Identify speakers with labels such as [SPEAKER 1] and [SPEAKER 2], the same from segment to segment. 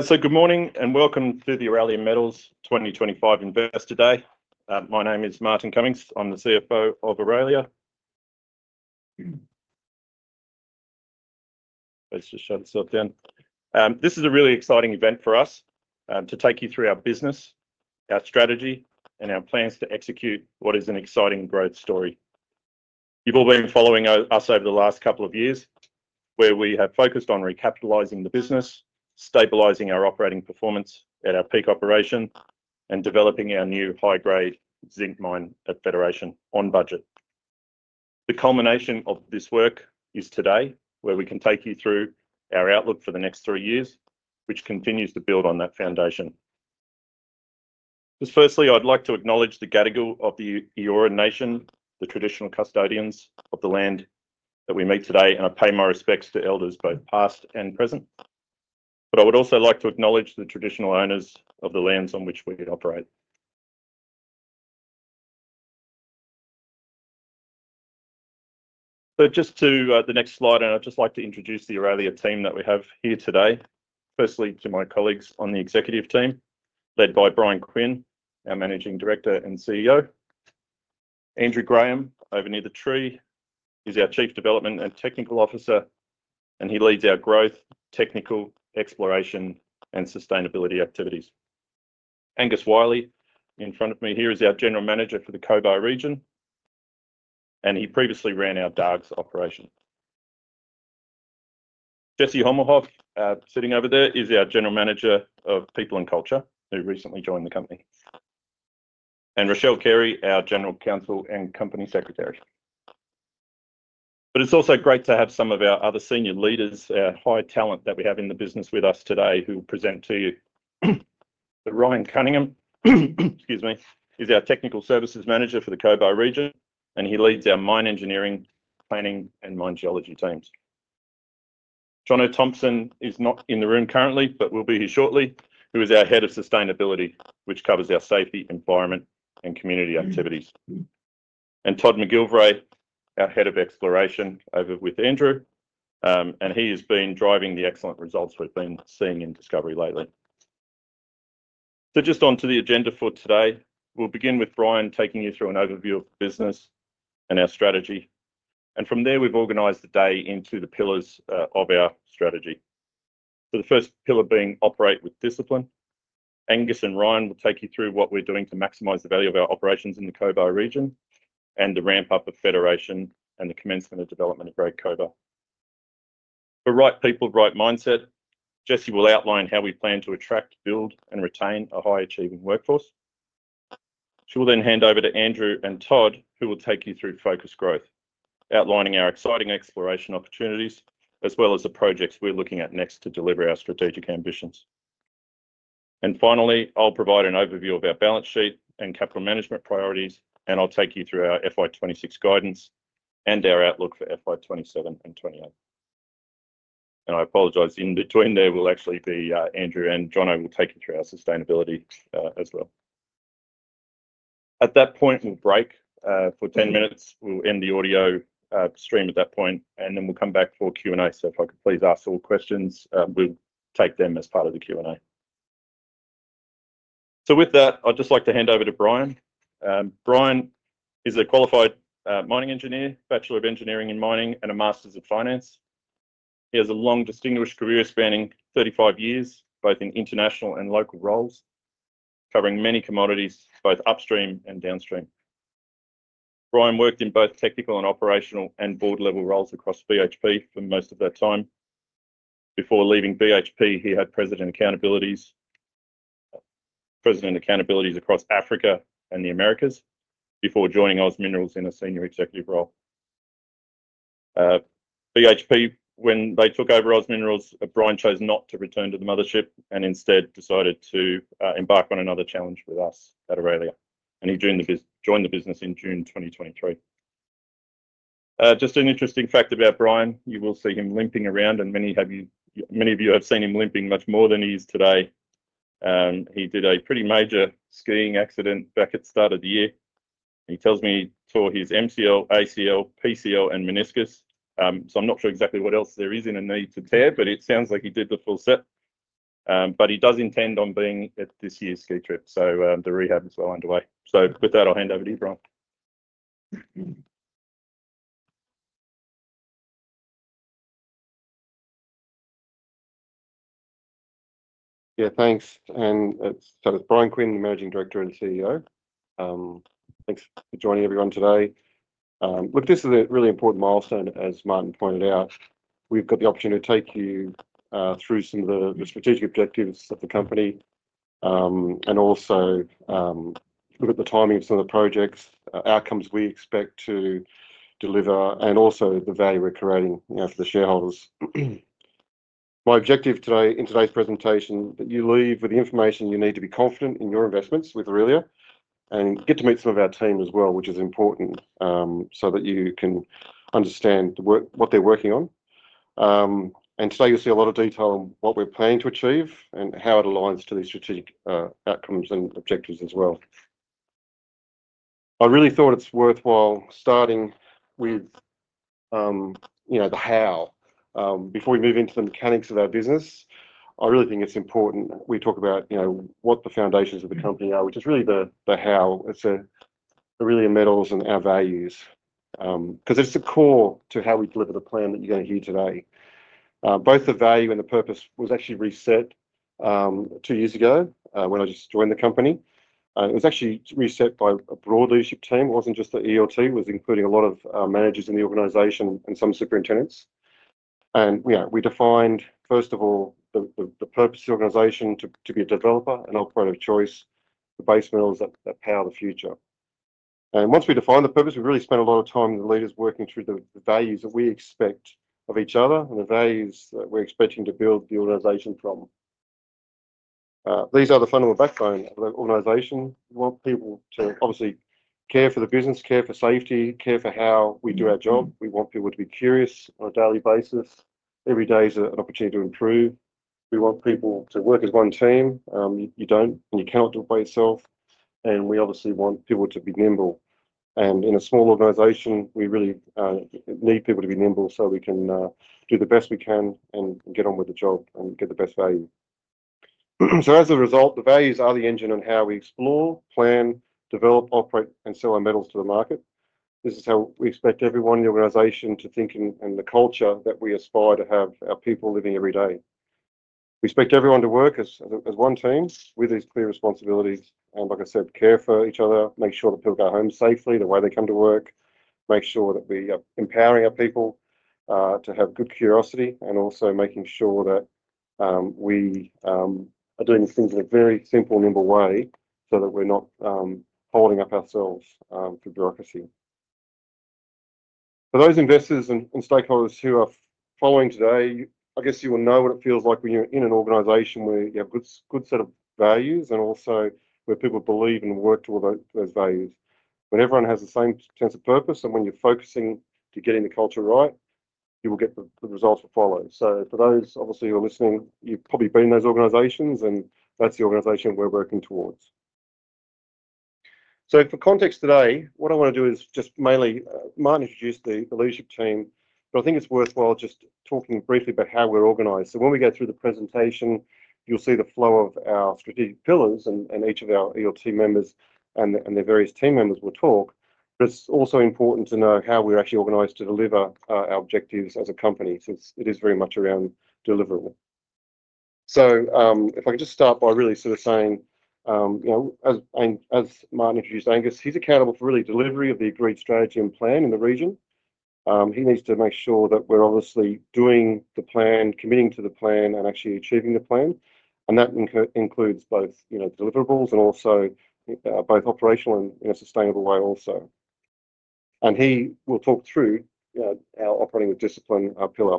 [SPEAKER 1] Good morning and welcome to the Aurelia Metals 2025 Investor Day. My name is Martin Cummings. I'm the CFO of Aurelia. Let's just shut this up then. This is a really exciting event for us to take you through our business, our strategy, and our plans to execute what is an exciting growth story. You've all been following us over the last couple of years, where we have focused on recapitalizing the business, stabilizing our operating performance at our Peak operation, and developing our new high-grade zinc mine at Federation on budget. The culmination of this work is today, where we can take you through our outlook for the next three years, which continues to build on that foundation. Firstly, I'd like to acknowledge the Gadigal of the Eora Nation, the traditional custodians of the land that we meet today, and I pay my respects to Elders both past and present. I would also like to acknowledge the traditional owners of the lands on which we operate. Just to the next slide, and I'd just like to introduce the Aurelia team that we have here today. Firstly, to my colleagues on the executive team, led by Bryan Quinn, our Managing Director and CEO. Andrew Graham, over near the tree, is our Chief Development and Technical Officer, and he leads our growth, technical exploration, and sustainability activities. Angus Wyllie, in front of me here, is our General Manager for the Cobar Region, and he previously ran our Dargues operation. Jessie Hommelhoff, sitting over there, is our General Manager of People and Culture, who recently joined the company. Rochelle Carey, our General Counsel and Company Secretary. It is also great to have some of our other senior leaders, our high talent that we have in the business with us today, who will present to you. Ryan Cunningham, excuse me, is our Technical Services Manager for the Cobar Region, and he leads our mine engineering, planning, and mine geology teams. Jonathon Thompson is not in the room currently, but will be here shortly, who is our Head of Sustainability, which covers our safety, environment, and community activities. Todd McGilvray, our Head of Exploration, over with Andrew, and he has been driving the excellent results we have been seeing in discovery lately. Just onto the agenda for today, we will begin with Bryan taking you through an overview of the business and our strategy. From there, we have organized the day into the pillars of our strategy. The first pillar being operate with discipline. Angus and Ryan will take you through what we are doing to maximize the value of our operations in the Cobar Region and the ramp-up of Federation and the commencement of development of Great Cobar. For right people, right mindset, Jessie will outline how we plan to attract, build, and retain a high-achieving workforce. She will then hand over to Andrew and Todd, who will take you through focused growth, outlining our exciting exploration opportunities, as well as the projects we are looking at next to deliver our strategic ambitions. Finally, I will provide an overview of our balance sheet and capital management priorities, and I will take you through our FY 2026 guidance and our outlook for FY 2027 and FY 2028. I apologize, in between there, it will actually be Andrew and Jona, who will take you through our sustainability as well. At that point, we'll break for 10 minutes. We'll end the audio stream at that point, and then we'll come back for Q&A. If I could please ask all questions, we'll take them as part of the Q&A. With that, I'd just like to hand over to Bryan. Bryan is a qualified mining engineer, Bachelor of Engineering in Mining, and a Master's of Finance. He has a long, distinguished career spanning 35 years, both in international and local roles, covering many commodities, both upstream and downstream. Bryan worked in both technical and operational and board-level roles across BHP for most of that time. Before leaving BHP, he had President Accountabilities across Africa and the Americas before joining Oz Minerals in a senior executive role. BHP, when they took over Oz Minerals, Bryan chose not to return to the mothership and instead decided to embark on another challenge with us at Aurelia. He joined the business in June 2023. Just an interesting fact about Bryan, you will see him limping around, and many of you have seen him limping much more than he is today. He did a pretty major skiing accident back at the start of the year. He tells me he tore his MCL, ACL, PCL, and meniscus. I'm not sure exactly what else there is in a knee to tear, but it sounds like he did the full set. He does intend on being at this year's ski trip, so the rehab is well underway. With that, I'll hand over to you, Bryan.
[SPEAKER 2] Yeah, thanks. It's Bryan Quinn, the Managing Director and CEO. Thanks for joining everyone today. Look, this is a really important milestone, as Martin pointed out. We've got the opportunity to take you through some of the strategic objectives of the company and also look at the timing of some of the projects, outcomes we expect to deliver, and also the value we're creating for the shareholders. My objective today in today's presentation is that you leave with the information you need to be confident in your investments with Aurelia and get to meet some of our team as well, which is important so that you can understand what they're working on. Today you'll see a lot of detail on what we're planning to achieve and how it aligns to the strategic outcomes and objectives as well. I really thought it's worthwhile starting with the how. Before we move into the mechanics of our business, I really think it's important we talk about what the foundations of the company are, which is really the how. It's really the metals and our values because it's the core to how we deliver the plan that you're going to hear today. Both the value and the purpose were actually reset two years ago when I just joined the company. It was actually reset by a broad leadership team. It wasn't just the ERT. It was including a lot of managers in the organization and some superintendents. We defined, first of all, the purpose of the organization to be a developer, an operator of choice, the base metals that power the future. Once we defined the purpose, we really spent a lot of time with the leaders working through the values that we expect of each other and the values that we're expecting to build the organisation from. These are the fundamental backbone of the organisation. We want people to obviously care for the business, care for safety, care for how we do our job. We want people to be curious on a daily basis. Every day is an opportunity to improve. We want people to work as one team. You don't and you cannot do it by yourself. We obviously want people to be nimble. In a small organisation, we really need people to be nimble so we can do the best we can and get on with the job and get the best value. As a result, the values are the engine on how we explore, plan, develop, operate, and sell our metals to the market. This is how we expect everyone in the organization to think and the culture that we aspire to have our people living every day. We expect everyone to work as one team with these clear responsibilities. Like I said, care for each other, make sure that people go home safely the way they come to work, make sure that we are empowering our people to have good curiosity, and also making sure that we are doing these things in a very simple, nimble way so that we're not holding up ourselves for bureaucracy. For those investors and stakeholders who are following today, I guess you will know what it feels like when you're in an organization where you have a good set of values and also where people believe and work toward those values. When everyone has the same sense of purpose and when you're focusing to getting the culture right, you will get the results that follow. For those, obviously, who are listening, you've probably been in those organizations, and that's the organization we're working towards. For context today, what I want to do is just mainly Martin introduced the leadership team, but I think it's worthwhile just talking briefly about how we're organized. When we go through the presentation, you'll see the flow of our strategic pillars and each of our ERT members and their various team members will talk. It is also important to know how we're actually organized to deliver our objectives as a company since it is very much around deliverable. If I could just start by really sort of saying, as Martin introduced Angus, he's accountable for really delivery of the agreed strategy and plan in the region. He needs to make sure that we're obviously doing the plan, committing to the plan, and actually achieving the plan. That includes both deliverables and also both operational and in a sustainable way also. He will talk through our operating with discipline pillar.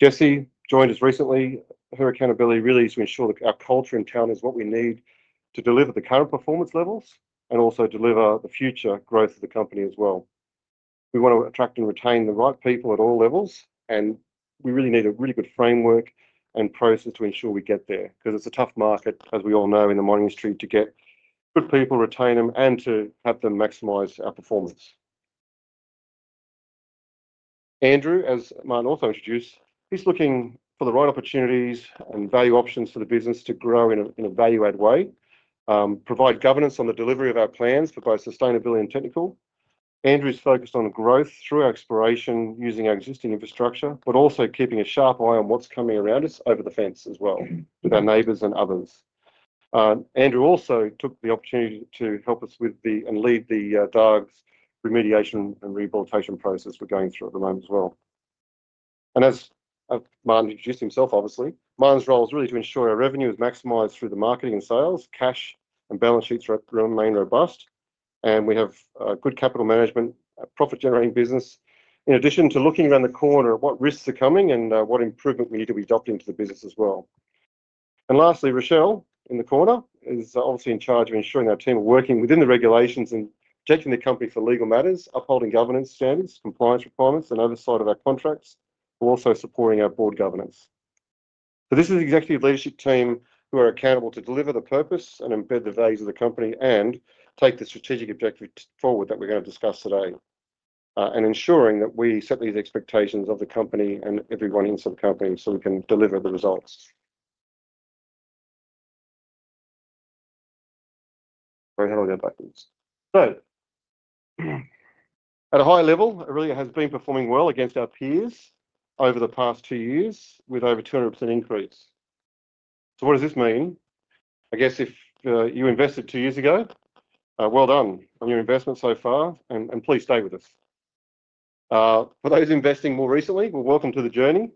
[SPEAKER 2] Jessie joined us recently. Her accountability really is to ensure that our culture in town is what we need to deliver the current performance levels and also deliver the future growth of the company as well. We want to attract and retain the right people at all levels, and we really need a really good framework and process to ensure we get there because it's a tough market, as we all know, in the mining industry to get good people, retain them, and to have them maximize our performance. Andrew, as Martin also introduced, he's looking for the right opportunities and value options for the business to grow in a value-add way, provide governance on the delivery of our plans for both sustainability and technical. Andrew's focused on growth through our exploration using our existing infrastructure, but also keeping a sharp eye on what's coming around us over the fence as well with our neighbors and others. Andrew also took the opportunity to help us with and lead the Dargues remediation and rehabilitation process we're going through at the moment as well. As Martin introduced himself, obviously, Martin's role is really to ensure our revenue is maximized through the marketing and sales, cash and balance sheets remain robust, and we have good capital management, a profit-generating business, in addition to looking around the corner at what risks are coming and what improvement we need to be adopting to the business as well. Lastly, Rochelle in the corner is obviously in charge of ensuring our team are working within the regulations and protecting the company for legal matters, upholding governance standards, compliance requirements, and oversight of our contracts, while also supporting our board governance. This is the executive leadership team who are accountable to deliver the purpose and embed the values of the company and take the strategic objectives forward that we're going to discuss today and ensuring that we set these expectations of the company and everyone inside the company so we can deliver the results. Sorry, how do I go back? At a high level, Aurelia has been performing well against our peers over the past two years with over 200% increase. What does this mean? I guess if you invested two years ago, well done on your investment so far, and please stay with us. For those investing more recently, we're welcome to the journey.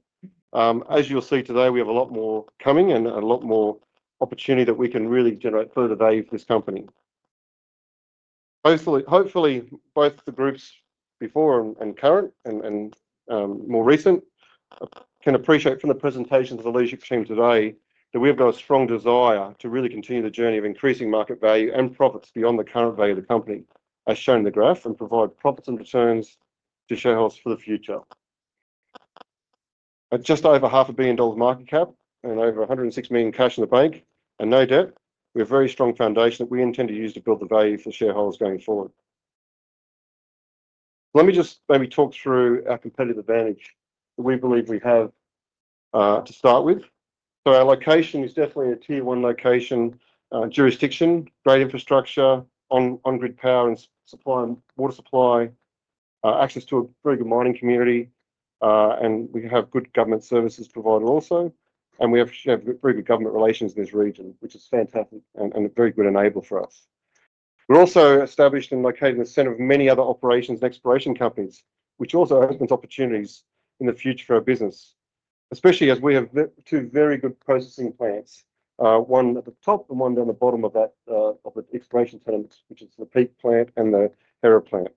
[SPEAKER 2] As you'll see today, we have a lot more coming and a lot more opportunity that we can really generate further value for this company. Hopefully, both the groups before and current and more recent can appreciate from the presentation of the leadership team today that we have got a strong desire to really continue the journey of increasing market value and profits beyond the current value of the company, as shown in the graph, and provide profits and returns to shareholders for the future. At just over 500 million dollars market cap and over 106 million cash in the bank and no debt, we have a very strong foundation that we intend to use to build the value for shareholders going forward. Let me just maybe talk through our competitive advantage that we believe we have to start with. Our location is definitely a tier-one location jurisdiction, great infrastructure, on-grid power and supply and water supply, access to a very good mining community, and we have good government services provided also. We have very good government relations in this region, which is fantastic and a very good enabler for us. We're also established and located in the center of many other operations and exploration companies, which also opens opportunities in the future for our business, especially as we have two very good processing plants, one at the top and one down the bottom of that exploration tenement, which is the Peak plant and the Hera plant.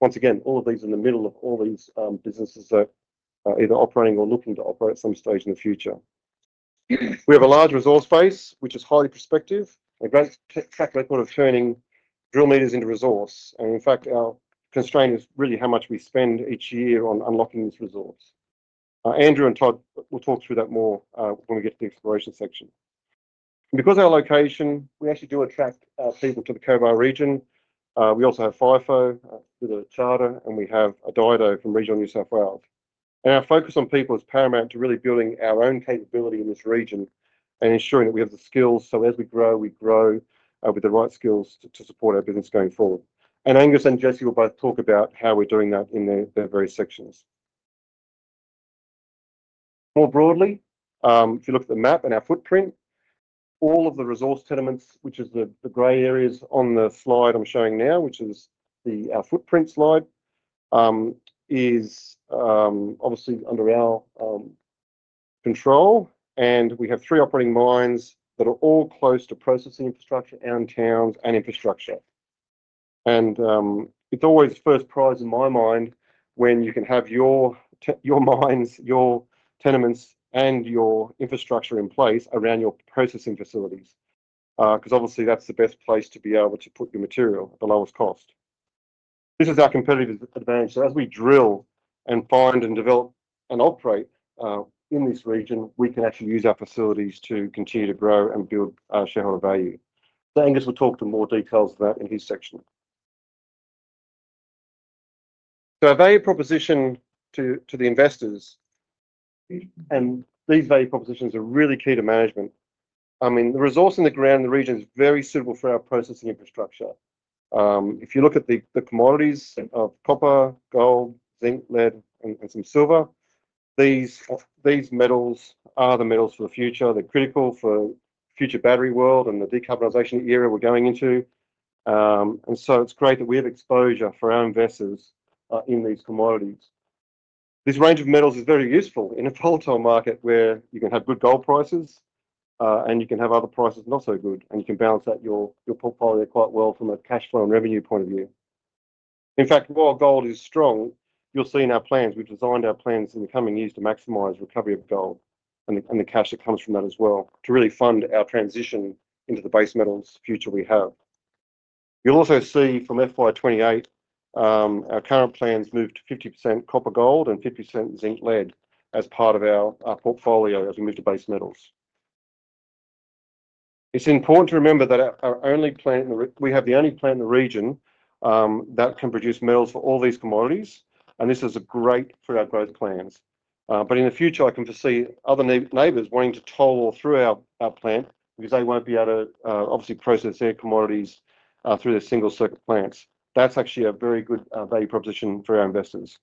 [SPEAKER 2] Once again, all of these are in the middle of all these businesses that are either operating or looking to operate at some stage in the future. We have a large resource base, which is highly prospective. A great factor of turning drill meters into resource. In fact, our constraint is really how much we spend each year on unlocking this resource. Andrew and Todd will talk through that more when we get to the exploration section. Because of our location, we actually do attract people to the Cobar region. We also have FIFO with a charter, and we have a Dido from regional New South Wales. Our focus on people is paramount to really building our own capability in this region and ensuring that we have the skills so as we grow, we grow with the right skills to support our business going forward. Angus and Jessie will both talk about how we are doing that in their various sections. More broadly, if you look at the map and our footprint, all of the resource tenements, which is the gray areas on the slide I am showing now, which is our footprint slide, is obviously under our control. We have three operating mines that are all close to processing infrastructure, and towns, and infrastructure. It is always first priority in my mind when you can have your mines, your tenements, and your infrastructure in place around your processing facilities because obviously that is the best place to be able to put your material at the lowest cost. This is our competitive advantage. As we drill and find and develop and operate in this region, we can actually use our facilities to continue to grow and build our shareholder value. Angus will talk to more details of that in his section. Our value proposition to the investors, and these value propositions are really key to management. I mean, the resource in the ground in the region is very suitable for our processing infrastructure. If you look at the commodities of copper, gold, zinc, lead, and some silver, these metals are the metals for the future. They're critical for the future battery world and the decarbonisation era we're going into. It is great that we have exposure for our investors in these commodities. This range of metals is very useful in a volatile market where you can have good gold prices and you can have other prices not so good, and you can balance out your portfolio quite well from a cash flow and revenue point of view. In fact, while gold is strong, you'll see in our plans, we've designed our plans in the coming years to maximise recovery of gold and the cash that comes from that as well to really fund our transition into the base metals future we have. You'll also see from FY 2028, our current plans move to 50% copper gold and 50% zinc lead as part of our portfolio as we move to base metals. It's important to remember that we have the only plant in the region that can produce metals for all these commodities, and this is great for our growth plans. In the future, I can foresee other neighbours wanting to toll through our plant because they won't be able to obviously process their commodities through their single circuit plants. That's actually a very good value proposition for our investors.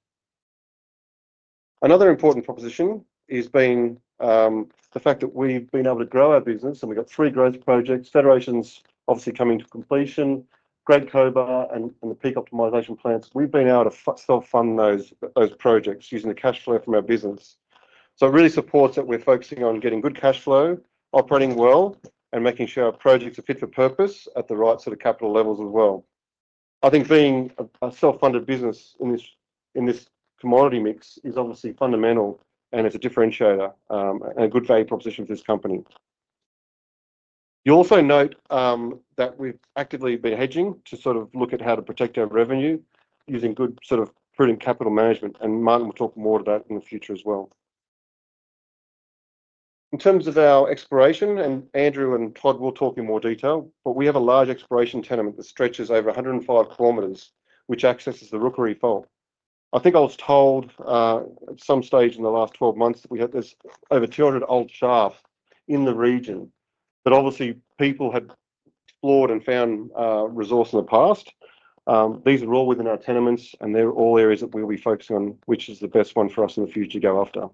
[SPEAKER 2] Another important proposition has been the fact that we've been able to grow our business, and we've got three growth projects, Federation's obviously coming to completion, Great Cobar, and the Peak optimisation plants. We've been able to self-fund those projects using the cash flow from our business. It really supports that we're focusing on getting good cash flow, operating well, and making sure our projects are fit for purpose at the right sort of capital levels as well. I think being a self-funded business in this commodity mix is obviously fundamental, and it's a differentiator and a good value proposition for this company. You'll also note that we've actively been hedging to sort of look at how to protect our revenue using good sort of prudent capital management, and Martin will talk more to that in the future as well. In terms of our exploration, and Andrew and Todd will talk in more detail, we have a large exploration tenement that stretches over 105 km, which accesses the Rookery Fault. I think I was told at some stage in the last 12 months that we had over 200 old shafts in the region, but obviously people had explored and found resources in the past. These are all within our tenements, and they're all areas that we'll be focusing on, which is the best one for us in the future to go after.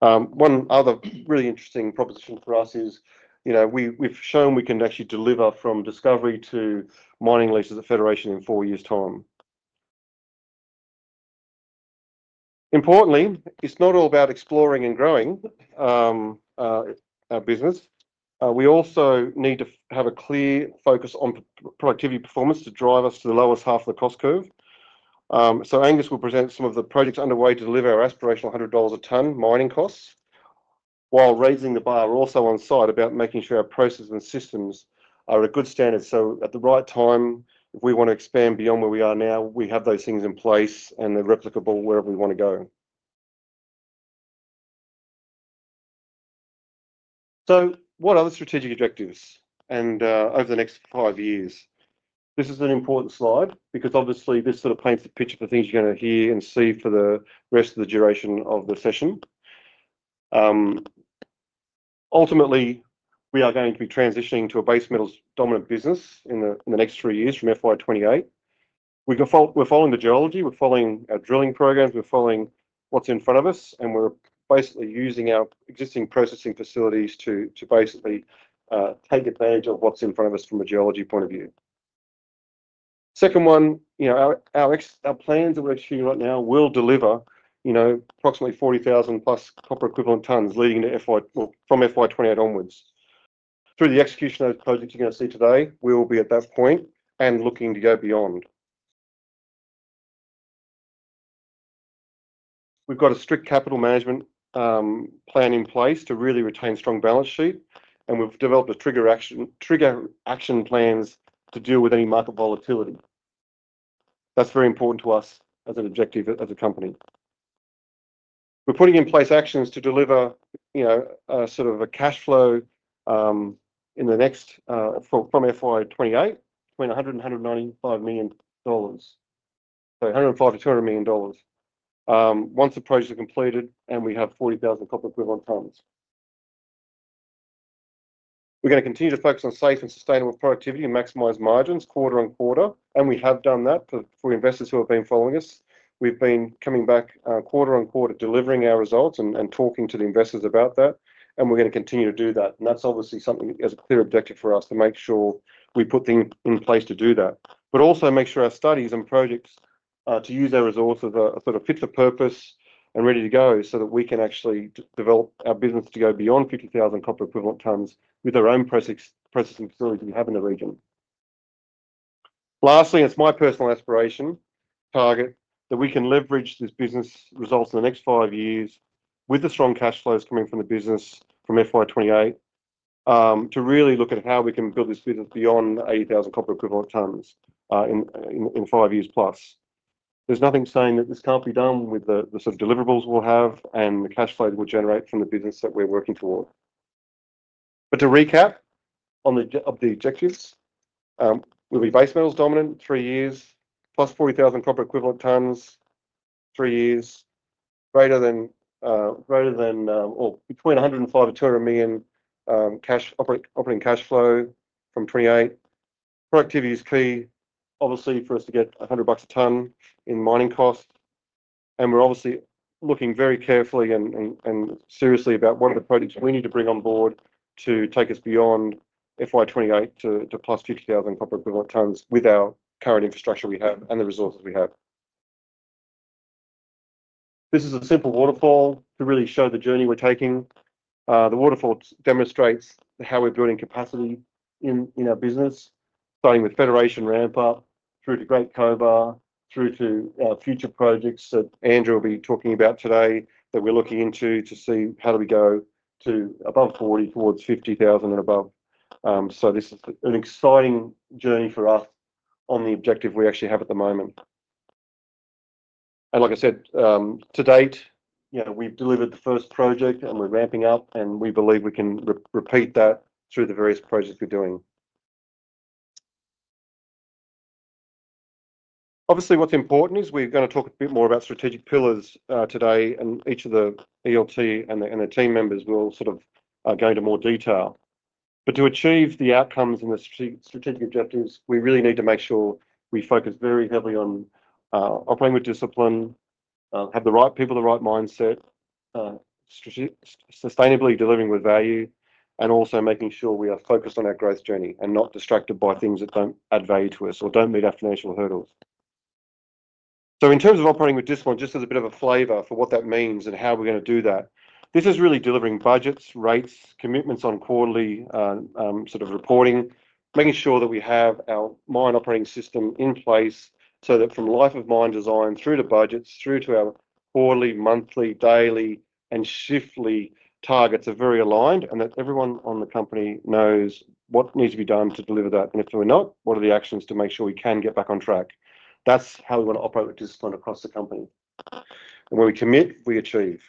[SPEAKER 2] One other really interesting proposition for us is we've shown we can actually deliver from discovery to mining leases at Federation in four years' time. Importantly, it's not all about exploring and growing our business. We also need to have a clear focus on productivity performance to drive us to the lowest half of the cost curve. Angus will present some of the projects underway to deliver our aspirational 100 dollars a tonne mining costs while raising the bar also on site about making sure our processes and systems are at a good standard. At the right time, if we want to expand beyond where we are now, we have those things in place and they are replicable wherever we want to go. What are the strategic objectives over the next five years? This is an important slide because obviously this sort of paints the picture for things you are going to hear and see for the rest of the duration of the session. Ultimately, we are going to be transitioning to a base metals dominant business in the next three years from FY 2028. We are following the geology. We are following our drilling programs. We're following what's in front of us, and we're basically using our existing processing facilities to basically take advantage of what's in front of us from a geology point of view. Second one, our plans that we're actually right now will deliver approximately 40,000 plus copper equivalent tonnes leading from FY 2028 onwards. Through the execution of those projects you're going to see today, we will be at that point and looking to go beyond. We've got a strict capital management plan in place to really retain strong balance sheet, and we've developed trigger action plans to deal with any market volatility. That's very important to us as an objective as a company. We're putting in place actions to deliver sort of a cash flow in the next from FY 2028 between 100 million dollars and 195 million dollars, so 105 million-200 million dollars once the projects are completed and we have 40,000 copper equivalent tonnes. We're going to continue to focus on safe and sustainable productivity and maximise margins quarter on quarter, and we have done that for investors who have been following us. We've been coming back quarter on quarter delivering our results and talking to the investors about that, and we're going to continue to do that. That is obviously something that is a clear objective for us to make sure we put things in place to do that, but also make sure our studies and projects to use our resources are sort of fit for purpose and ready to go so that we can actually develop our business to go beyond 50,000 copper equivalent tonnes with our own processing facilities we have in the region. Lastly, it is my personal aspiration target that we can leverage this business results in the next five years with the strong cash flows coming from the business from FY 2028 to really look at how we can build this business beyond 80,000 copper equivalent tonnes in five years plus. There is nothing saying that this cannot be done with the sort of deliverables we will have and the cash flows we will generate from the business that we are working toward. To recap on the objectives, we'll be base metals dominant in three years, plus 40,000 copper equivalent tonnes in three years, greater than or between 105 million-200 million operating cash flow from 2028. Productivity is key, obviously, for us to get 100 bucks a tonne in mining costs. We're obviously looking very carefully and seriously at what are the projects we need to bring on board to take us beyond FY 2028 to plus 50,000 copper equivalent tonnes with our current infrastructure we have and the resources we have. This is a simple waterfall to really show the journey we're taking. The waterfall demonstrates how we're building capacity in our business, starting with Federation ramp-up through to Great Cobar, through to future projects that Andrew will be talking about today that we're looking into to see how do we go to above 40,000 towards 50,000 and above. This is an exciting journey for us on the objective we actually have at the moment. Like I said, to date, we've delivered the first project and we're ramping up, and we believe we can repeat that through the various projects we're doing. Obviously, what's important is we're going to talk a bit more about strategic pillars today, and each of the ELT and the team members will sort of go into more detail. To achieve the outcomes and the strategic objectives, we really need to make sure we focus very heavily on operating with discipline, have the right people, the right mindset, sustainably delivering with value, and also making sure we are focused on our growth journey and not distracted by things that do not add value to us or do not meet our financial hurdles. In terms of operating with discipline, just as a bit of a flavor for what that means and how we're going to do that, this is really delivering budgets, rates, commitments on quarterly sort of reporting, making sure that we have our mine operating system in place so that from life of mine design through to budgets through to our quarterly, monthly, daily, and shiftly targets are very aligned and that everyone in the company knows what needs to be done to deliver that. If we're not, what are the actions to make sure we can get back on track? That's how we want to operate with discipline across the company. When we commit, we achieve.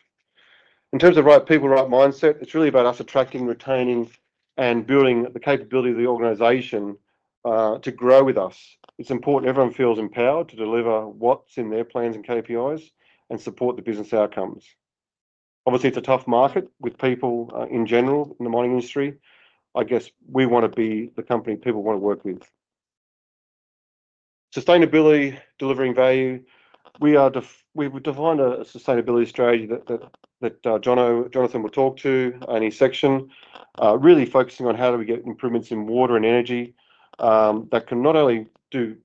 [SPEAKER 2] In terms of right people, right mindset, it's really about us attracting, retaining, and building the capability of the organization to grow with us. It's important everyone feels empowered to deliver what's in their plans and KPIs and support the business outcomes. Obviously, it's a tough market with people in general in the mining industry. I guess we want to be the company people want to work with. Sustainability, delivering value. We defined a sustainability strategy that Jonathon will talk to in his section, really focusing on how do we get improvements in water and energy that can not only do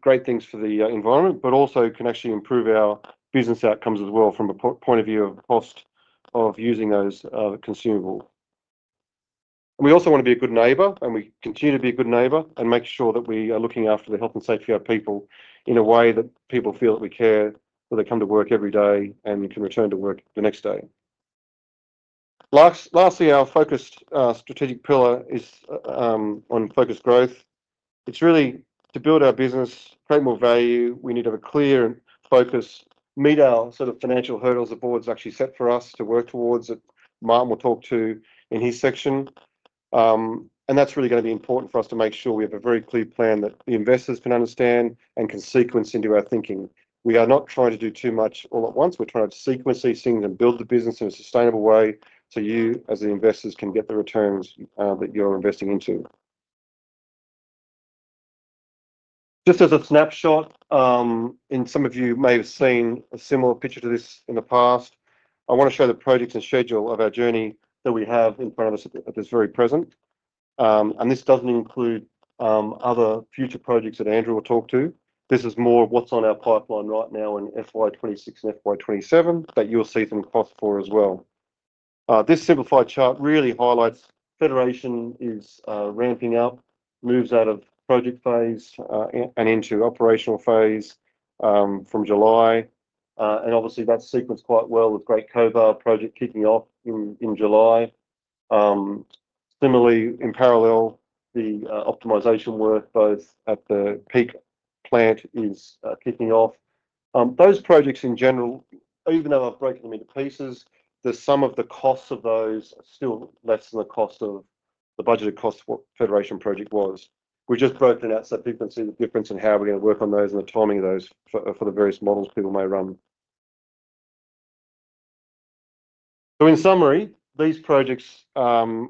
[SPEAKER 2] great things for the environment, but also can actually improve our business outcomes as well from a point of view of cost of using those consumables. We also want to be a good neighbour, and we continue to be a good neighbour and make sure that we are looking after the health and safety of our people in a way that people feel that we care that they come to work every day and can return to work the next day. Lastly, our focused strategic pillar is on focused growth. It is really to build our business, create more value. We need to have a clear focus, meet our sort of financial hurdles the board's actually set for us to work towards that Martin will talk to in his section. That is really going to be important for us to make sure we have a very clear plan that the investors can understand and can sequence into our thinking. We are not trying to do too much all at once. We're trying to sequence these things and build the business in a sustainable way so you as the investors can get the returns that you're investing into. Just as a snapshot, and some of you may have seen a similar picture to this in the past, I want to show the projects and schedule of our journey that we have in front of us at this very present. This does not include other future projects that Andrew will talk to. This is more of what's on our pipeline right now in FY 2026 and FY 2027 that you'll see them across for as well. This simplified chart really highlights Federation is ramping up, moves out of project phase and into operational phase from July. Obviously, that's sequenced quite well with Great Cobar project kicking off in July. Similarly, in parallel, the optimisation work both at the Peak plant is kicking off. Those projects in general, even though I've broken them into pieces, the sum of the costs of those are still less than the cost of the budgeted cost of what Federation project was. We just broke them out so people can see the difference in how we're going to work on those and the timing of those for the various models people may run. In summary, these projects will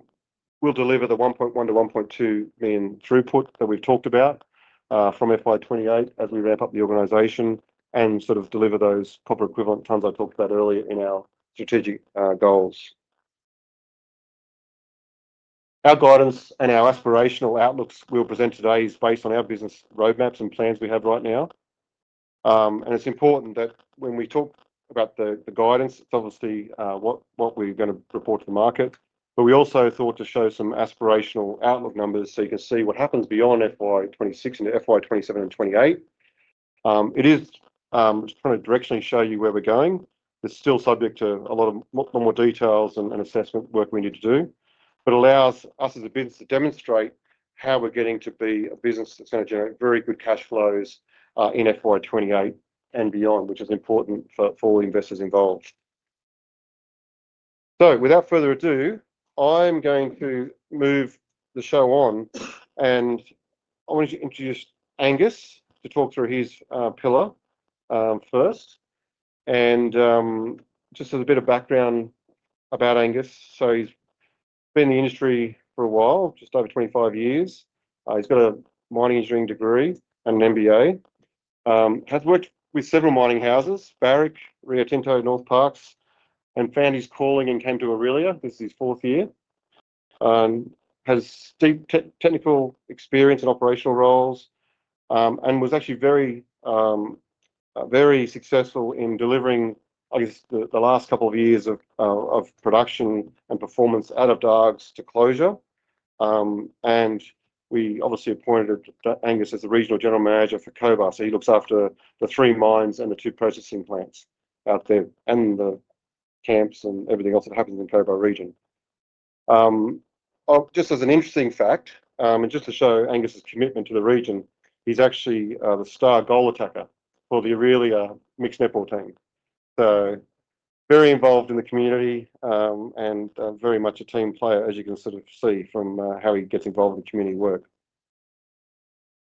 [SPEAKER 2] deliver the 1.1 million-1.2 million throughput that we've talked about from FY 2028 as we ramp up the organization and sort of deliver those copper equivalent tonnes I talked about earlier in our strategic goals. Our guidance and our aspirational outlooks we'll present today is based on our business roadmaps and plans we have right now. It's important that when we talk about the guidance, it's obviously what we're going to report to the market. But we also thought to show some aspirational outlook numbers so you can see what happens beyond FY 2026 into FY 2027 and FY 2028. It is trying to directionally show you where we're going. It's still subject to a lot more details and assessment work we need to do, but allows us as a business to demonstrate how we're getting to be a business that's going to generate very good cash flows in FY 2028 and beyond, which is important for all investors involved. Without further ado, I'm going to move the show on, and I wanted to introduce Angus to talk through his pillar first. And just a bit of background about Angus. He's been in the industry for a while, just over 25 years. He's got a mining engineering degree and an MBA. Has worked with several mining houses, Barrick, Rio Tinto, Northparkes, and found his calling and came to Aurelia. This is his fourth year. Has deep technical experience and operational roles and was actually very successful in delivering, I guess, the last couple of years of production and performance out of Dargues to closure. We obviously appointed Angus as the Regional General Manager for Cobar. He looks after the three mines and the two processing plants out there and the camps and everything else that happens in the Cobar region. Just as an interesting fact, and just to show Angus's commitment to the region, he's actually the star goal attacker for the Aurelia mixed netball team. Very involved in the community and very much a team player, as you can sort of see from how he gets involved in community work.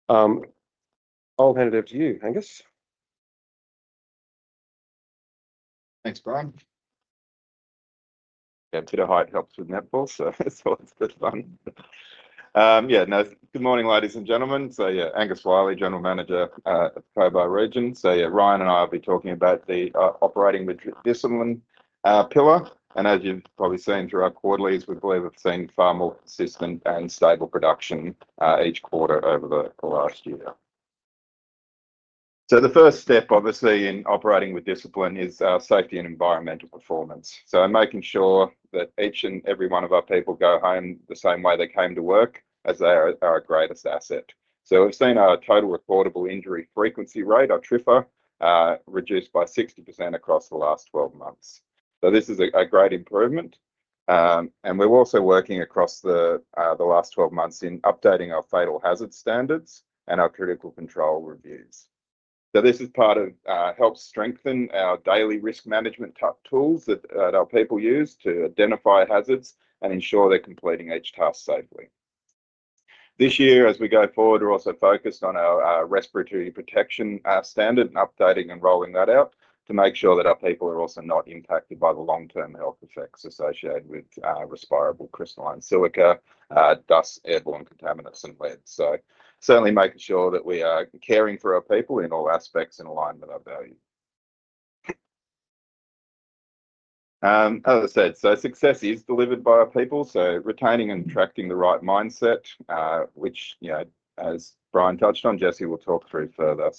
[SPEAKER 2] I'll hand it over to you, Angus.
[SPEAKER 3] Thanks, Bryan. Yeah, Tito Height helps with netball, so it's good fun. Yeah, no, good morning, ladies and gentlemen. Yeah, Angus Wyllie, General Manager of the Cobar region. Yeah, Ryan and I will be talking about the operating with discipline pillar. As you've probably seen throughout quarterlies, we believe we've seen far more consistent and stable production each quarter over the last year. The first step, obviously, in operating with discipline is safety and environmental performance. Making sure that each and every one of our people go home the same way they came to work as they are our greatest asset. We've seen our total recordable injury frequency rate, our TRIFR, reduced by 60% across the last 12 months. This is a great improvement. We're also working across the last 12 months in updating our fatal hazard standards and our critical control reviews. This is part of helping strengthen our daily risk management tools that our people use to identify hazards and ensure they're completing each task safely. This year, as we go forward, we're also focused on our respiratory protection standard and updating and rolling that out to make sure that our people are also not impacted by the long-term health effects associated with respirable crystalline silica, dust, airborne contaminants, and lead. Certainly making sure that we are caring for our people in all aspects in alignment with our values. As I said, success is delivered by our people. Retaining and attracting the right mindset, which, as Bryan touched on, Jessie will talk through further.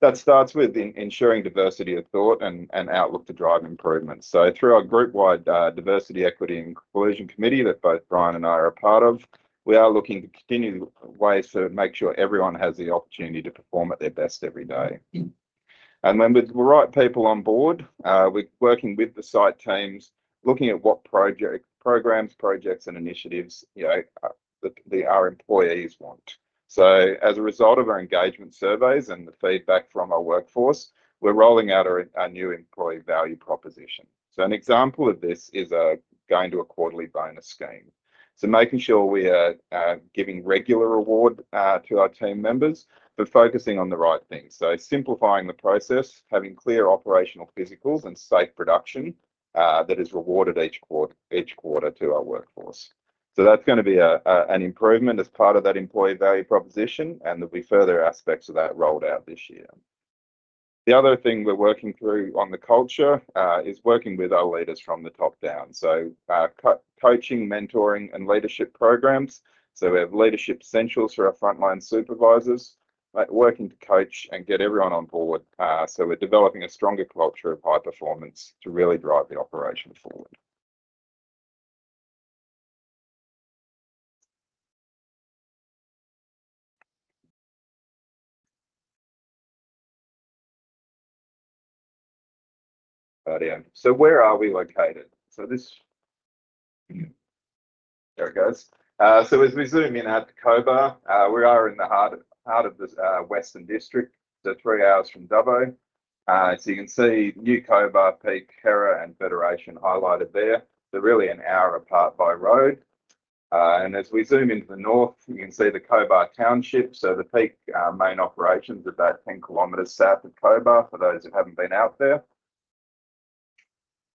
[SPEAKER 3] That starts with ensuring diversity of thought and outlook to drive improvement. Through our group-wide diversity, equity, and inclusion committee that both Bryan and I are a part of, we are looking to continue ways to make sure everyone has the opportunity to perform at their best every day. When we have the right people on board, we are working with the site teams, looking at what programs, projects, and initiatives our employees want. As a result of our engagement surveys and the feedback from our workforce, we are rolling out our new employee value proposition. An example of this is going to a quarterly bonus scheme, making sure we are giving regular reward to our team members for focusing on the right things. Simplifying the process, having clear operational physicals, and safe production that is rewarded each quarter to our workforce. That's going to be an improvement as part of that employee value proposition, and there'll be further aspects of that rolled out this year. The other thing we're working through on the culture is working with our leaders from the top down. Coaching, mentoring, and leadership programs. We have leadership essentials for our frontline supervisors, working to coach and get everyone on board. We're developing a stronger culture of high performance to really drive the operation forward. Where are we located? There it goes. As we zoom in at Cobar, we are in the heart of the Western District, three hours from Dubbo. You can see New Cobar, Peak, Hera, and Federation highlighted there. They're really an hour apart by road. As we zoom into the north, you can see the Cobar Township. The Peak main operations are about 10 km south of Cobar for those who have not been out there.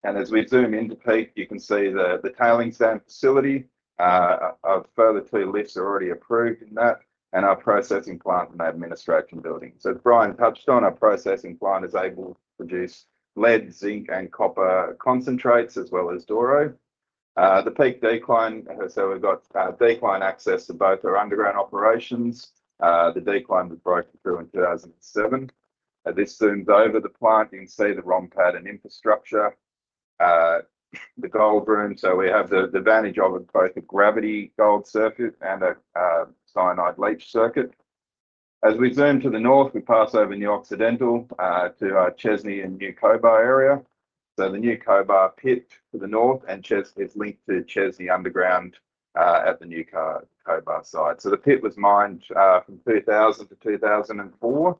[SPEAKER 3] As we zoom into Peak, you can see the tailings storage facility. Further two lifts are already approved in that, and our processing plant and the administration building. Bryan touched on our processing plant is able to produce lead, zinc, and copper concentrates as well as doré. The Peak Decline, so we have decline access to both our underground operations. The decline was broken through in 2007. This zooms over the plant. You can see the ROM pad and infrastructure, the gold room. We have the advantage of both a gravity gold circuit and a cyanide leach circuit. As we zoom to the north, we pass over New Occidental to our Chesney and New Cobar area. The New Cobar pit to the north and Chesney is linked to Chesney underground at the New Cobar site. The pit was mined from 2000-2004,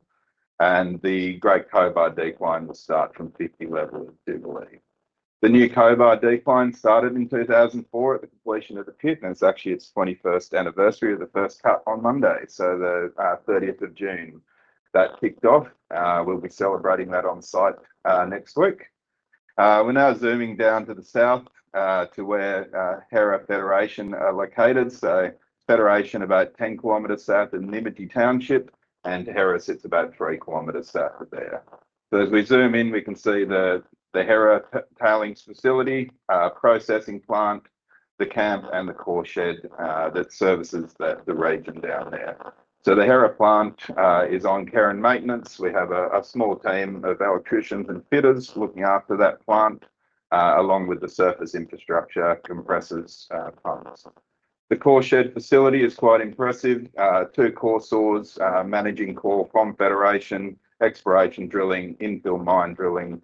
[SPEAKER 3] and the Great Cobar decline will start from 50 level, I do believe. The New Cobar decline started in 2004 at the completion of the pit, and it is actually its 21st anniversary of the first cut on Monday, so the 30th of June. That kicked off. We will be celebrating that on site next week. We are now zooming down to the south to where Hera and Federation are located. Federation is about 10 km south of Nymagee township, and Hera sits about 3 km south of there. As we zoom in, we can see the Hera tailings facility, processing plant, the camp, and the core shed that services the region down there. The Hera plant is on care and maintenance. We have a small team of electricians and fitters looking after that plant along with the surface infrastructure compressors plants. The core shed facility is quite impressive. Two core saws, managing core from Federation, exploration drilling, infill mine drilling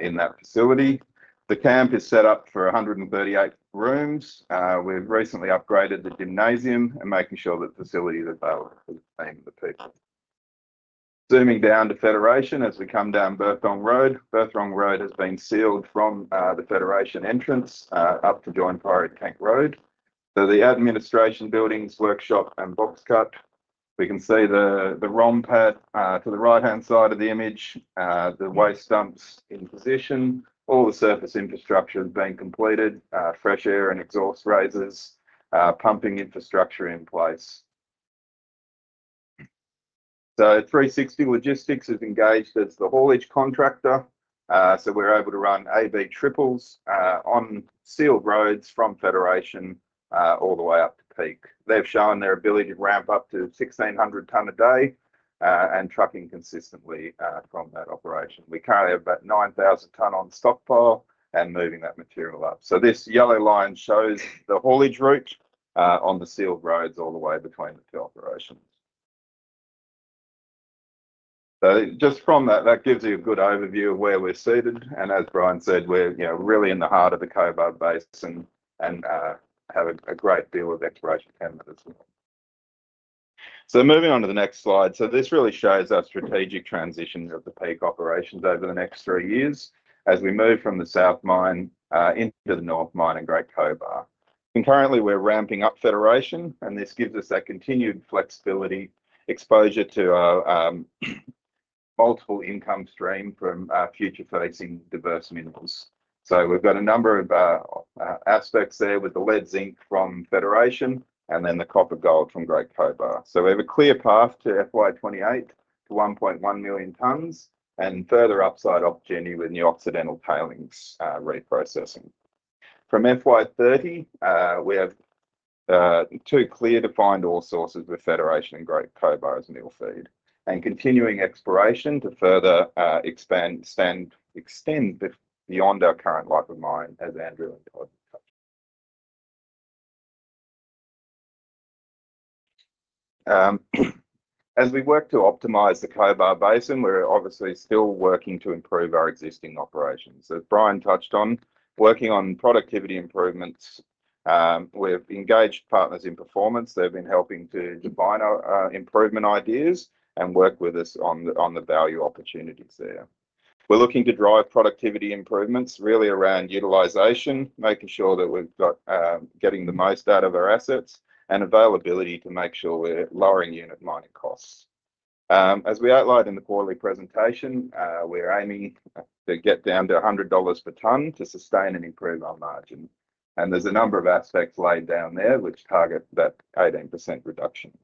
[SPEAKER 3] in that facility. The camp is set up for 138 rooms. We've recently upgraded the gymnasium and making sure that facilities are available for the same people. Zooming down to Federation as we come down Berthong Road. Berthong Road has been sealed from the Federation entrance up to Join Priory Tank Road. The administration buildings, workshop, and box cut. We can see the Rompad to the right-hand side of the image, the waste dumps in position. All the surface infrastructure has been completed. Fresh air and exhaust raisers, pumping infrastructure in place. 360 Logistics is engaged as the haulage contractor. We're able to run AB triples on sealed roads from Federation all the way up to Peak. They've shown their ability to ramp up to 1,600 tonnes a day and trucking consistently from that operation. We currently have about 9,000 tonnes on stockpile and moving that material up. This yellow line shows the haulage route on the sealed roads all the way between the two operations. Just from that, that gives you a good overview of where we're seated. As Bryan said, we're really in the heart of the Cobar Basin and have a great deal of exploration camera as well. Moving on to the next slide. This really shows our strategic transition of the Peak operations over the next three years as we move from the South Mine into the North Mine and Great Cobar. Currently, we're ramping up Federation, and this gives us that continued flexibility, exposure to a multiple income stream from future-facing diverse minerals. We've got a number of aspects there with the lead, zinc from Federation, and then the copper gold from Great Cobar. We have a clear path to FY 2028 to 1.1 million tonnes and further upside opportunity with New Occidental tailings reprocessing. From FY 2030, we have two clear defined ore sources with Federation and Great Cobar as mill feed and continuing exploration to further expand, extend beyond our current life of mine as Andrew and Todd touched. As we work to optimize the Cobar Basin, we're obviously still working to improve our existing operations. As Bryan touched on, working on productivity improvements. We've engaged Partners in Performance. They've been helping to define our improvement ideas and work with us on the value opportunities there. We're looking to drive productivity improvements really around utilization, making sure that we've got getting the most out of our assets and availability to make sure we're lowering unit mining costs. As we outlined in the quarterly presentation, we're aiming to get down to 100 dollars per tonne to sustain and improve our margin. There's a number of aspects laid down there which target that 18% reduction.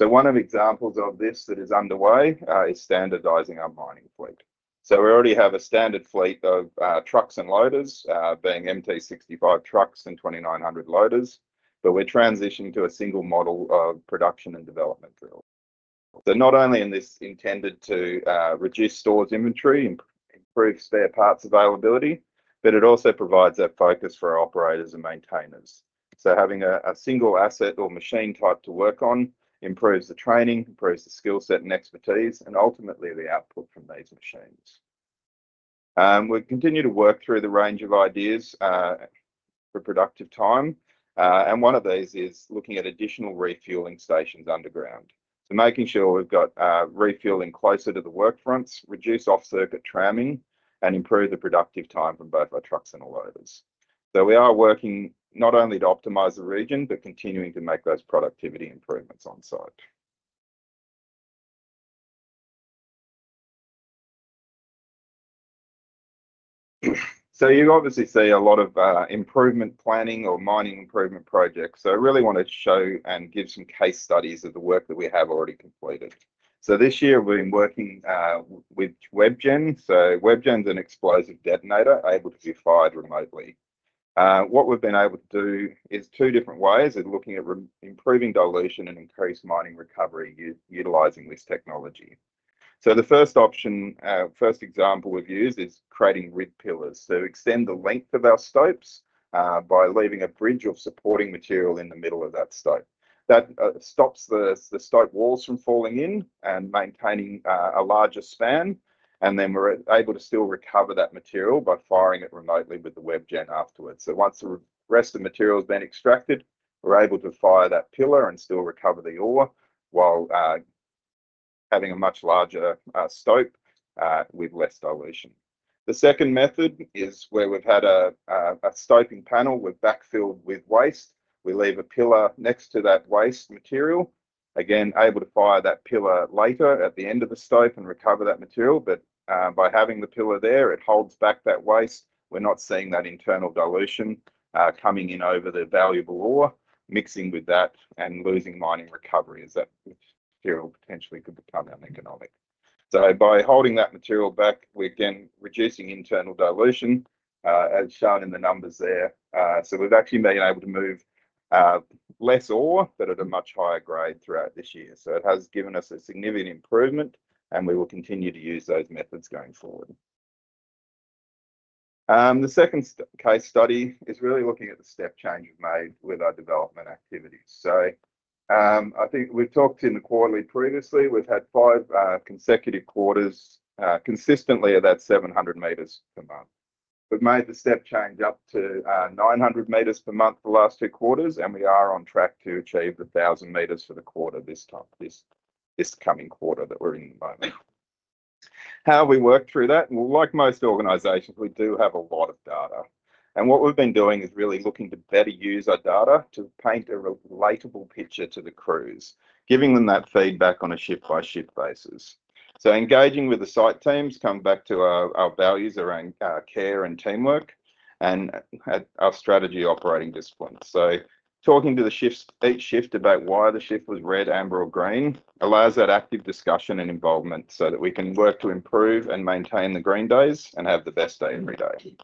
[SPEAKER 3] One of the examples of this that is underway is standardizing our mining fleet. We already have a standard fleet of trucks and loaders being MT65 trucks and 2,900 loaders, but we're transitioning to a single model of production and development drill. Not only is this intended to reduce stores inventory and improve spare parts availability, but it also provides that focus for our operators and maintainers. Having a single asset or machine type to work on improves the training, improves the skill set and expertise, and ultimately the output from these machines. We continue to work through the range of ideas for productive time. One of these is looking at additional refuelling stations underground. Making sure we have refuelling closer to the work fronts reduces off-circuit tramming and improves the productive time from both our trucks and our loaders. We are working not only to optimise the region, but continuing to make those productivity improvements on site. You obviously see a lot of improvement planning or mining improvement projects. I really want to show and give some case studies of the work that we have already completed. This year, we have been working with WebGen. WebGen is an explosive detonator able to be fired remotely. What we've been able to do is two different ways of looking at improving dilution and increased mining recovery utilizing this technology. The first option, first example we've used is creating rib pillars to extend the length of our stopes by leaving a bridge of supporting material in the middle of that stope. That stops the stope walls from falling in and maintaining a larger span. We are able to still recover that material by firing it remotely with the WebGen afterwards. Once the rest of the material has been extracted, we are able to fire that pillar and still recover the ore while having a much larger stope with less dilution. The second method is where we've had a stoping panel backfilled with waste. We leave a pillar next to that waste material, again able to fire that pillar later at the end of the stope and recover that material. By having the pillar there, it holds back that waste. We're not seeing that internal dilution coming in over the valuable ore, mixing with that and losing mining recovery as that material potentially could become uneconomic. By holding that material back, we're again reducing internal dilution as shown in the numbers there. We've actually been able to move less ore, but at a much higher grade throughout this year. It has given us a significant improvement, and we will continue to use those methods going forward. The second case study is really looking at the step change we've made with our development activities. I think we've talked in the quarterly previously. have had five consecutive quarters consistently at that 700 m per month. We have made the step change up to 900 m per month for the last two quarters, and we are on track to achieve the 1,000 m for the quarter this coming quarter that we are in at the moment. How have we worked through that? Like most organizations, we do have a lot of data. What we have been doing is really looking to better use our data to paint a relatable picture to the crews, giving them that feedback on a shift-by-shift basis. Engaging with the site teams comes back to our values around care and teamwork and our strategy operating disciplines. Talking to the shifts, each shift, about why the shift was red, amber, or green allows that active discussion and involvement so that we can work to improve and maintain the green days and have the best day every day.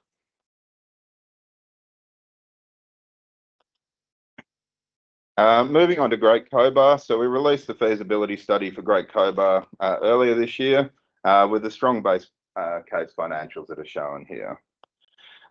[SPEAKER 3] Moving on to Great Cobar. We released the feasibility study for Great Cobar earlier this year with strong base case financials that are shown here.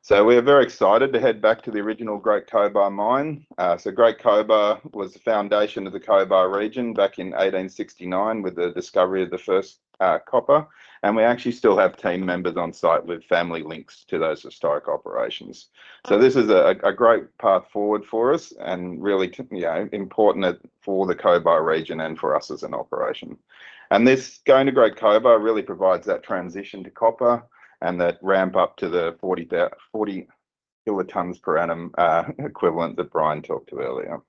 [SPEAKER 3] We are very excited to head back to the original Great Cobar mine. Great Cobar was the foundation of the Cobar region back in 1869 with the discovery of the first copper. We actually still have team members on site with family links to those historic operations. This is a great path forward for us and really important for the Cobar region and for us as an operation. This going to Great Cobar really provides that transition to copper and that ramp up to the 40 kilotons per annum equivalent that Bryan talked to earlier.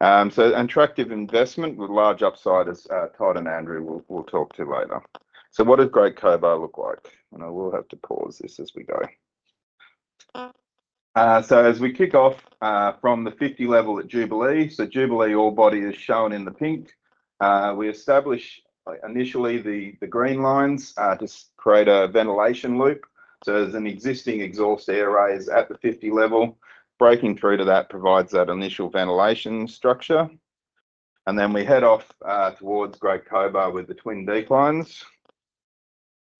[SPEAKER 3] Attractive investment with large upsiders Todd and Andrew will talk to later. What does Great Cobar look like? I will have to pause this as we go. As we kick off from the 50 level at Jubilee, Jubilee ore body is shown in the pink. We establish initially the green lines to create a ventilation loop. There is an existing exhaust air raise at the 50 level. Breaking through to that provides that initial ventilation structure. We head off towards Great Cobar with the twin declines.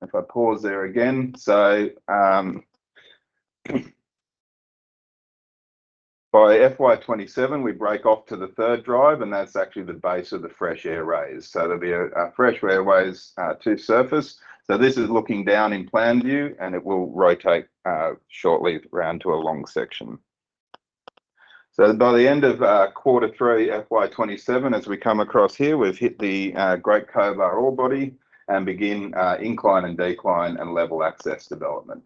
[SPEAKER 3] If I pause there again. By FY 2027, we break off to the third drive, and that is actually the base of the fresh air raise. There will be a fresh airways to surface. This is looking down in plan view, and it will rotate shortly around to a long section. By the end of quarter three, FY 2027, as we come across here, we have hit the Great Cobar ore body and begin incline and decline and level access development.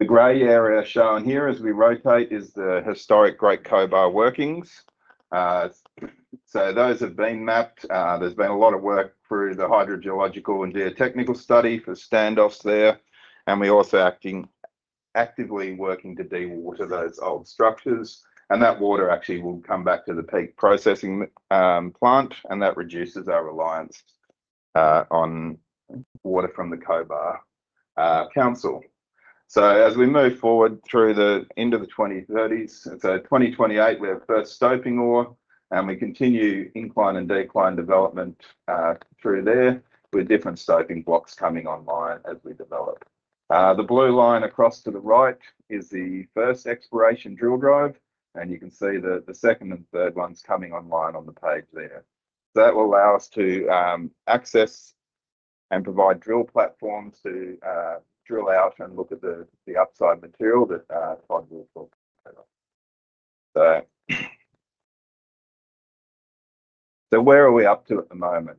[SPEAKER 3] The gray area shown here as we rotate is the historic Great Cobar workings. Those have been mapped. There has been a lot of work through the hydrogeological and geotechnical study for standoffs there. We are also actively working to dewater those old structures. That water actually will come back to the Peak processing plant, and that reduces our reliance on water from the Cobar council. As we move forward through the end of the 2030s, 2028, we have first stoping ore, and we continue incline and decline development through there with different stoping blocks coming online as we develop. The blue line across to the right is the first exploration drill drive. You can see the second and third ones coming online on the page there. That will allow us to access and provide drill platforms to drill out and look at the upside material that Todd will talk about later. Where are we up to at the moment?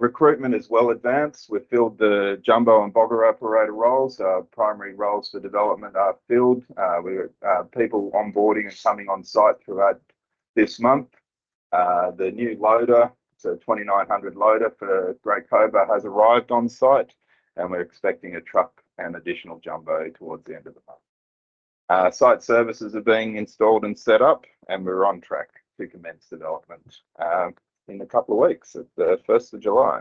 [SPEAKER 3] Recruitment is well advanced. We have filled the jumbo and bogger operator roles. Our primary roles for development are filled. We have people onboarding and coming on site throughout this month. The new loader, so 2,900 loader for Great Cobar has arrived on site, and we're expecting a truck and additional jumbo towards the end of the month. Site services are being installed and set up, and we're on track to commence development in a couple of weeks at the 1st of July.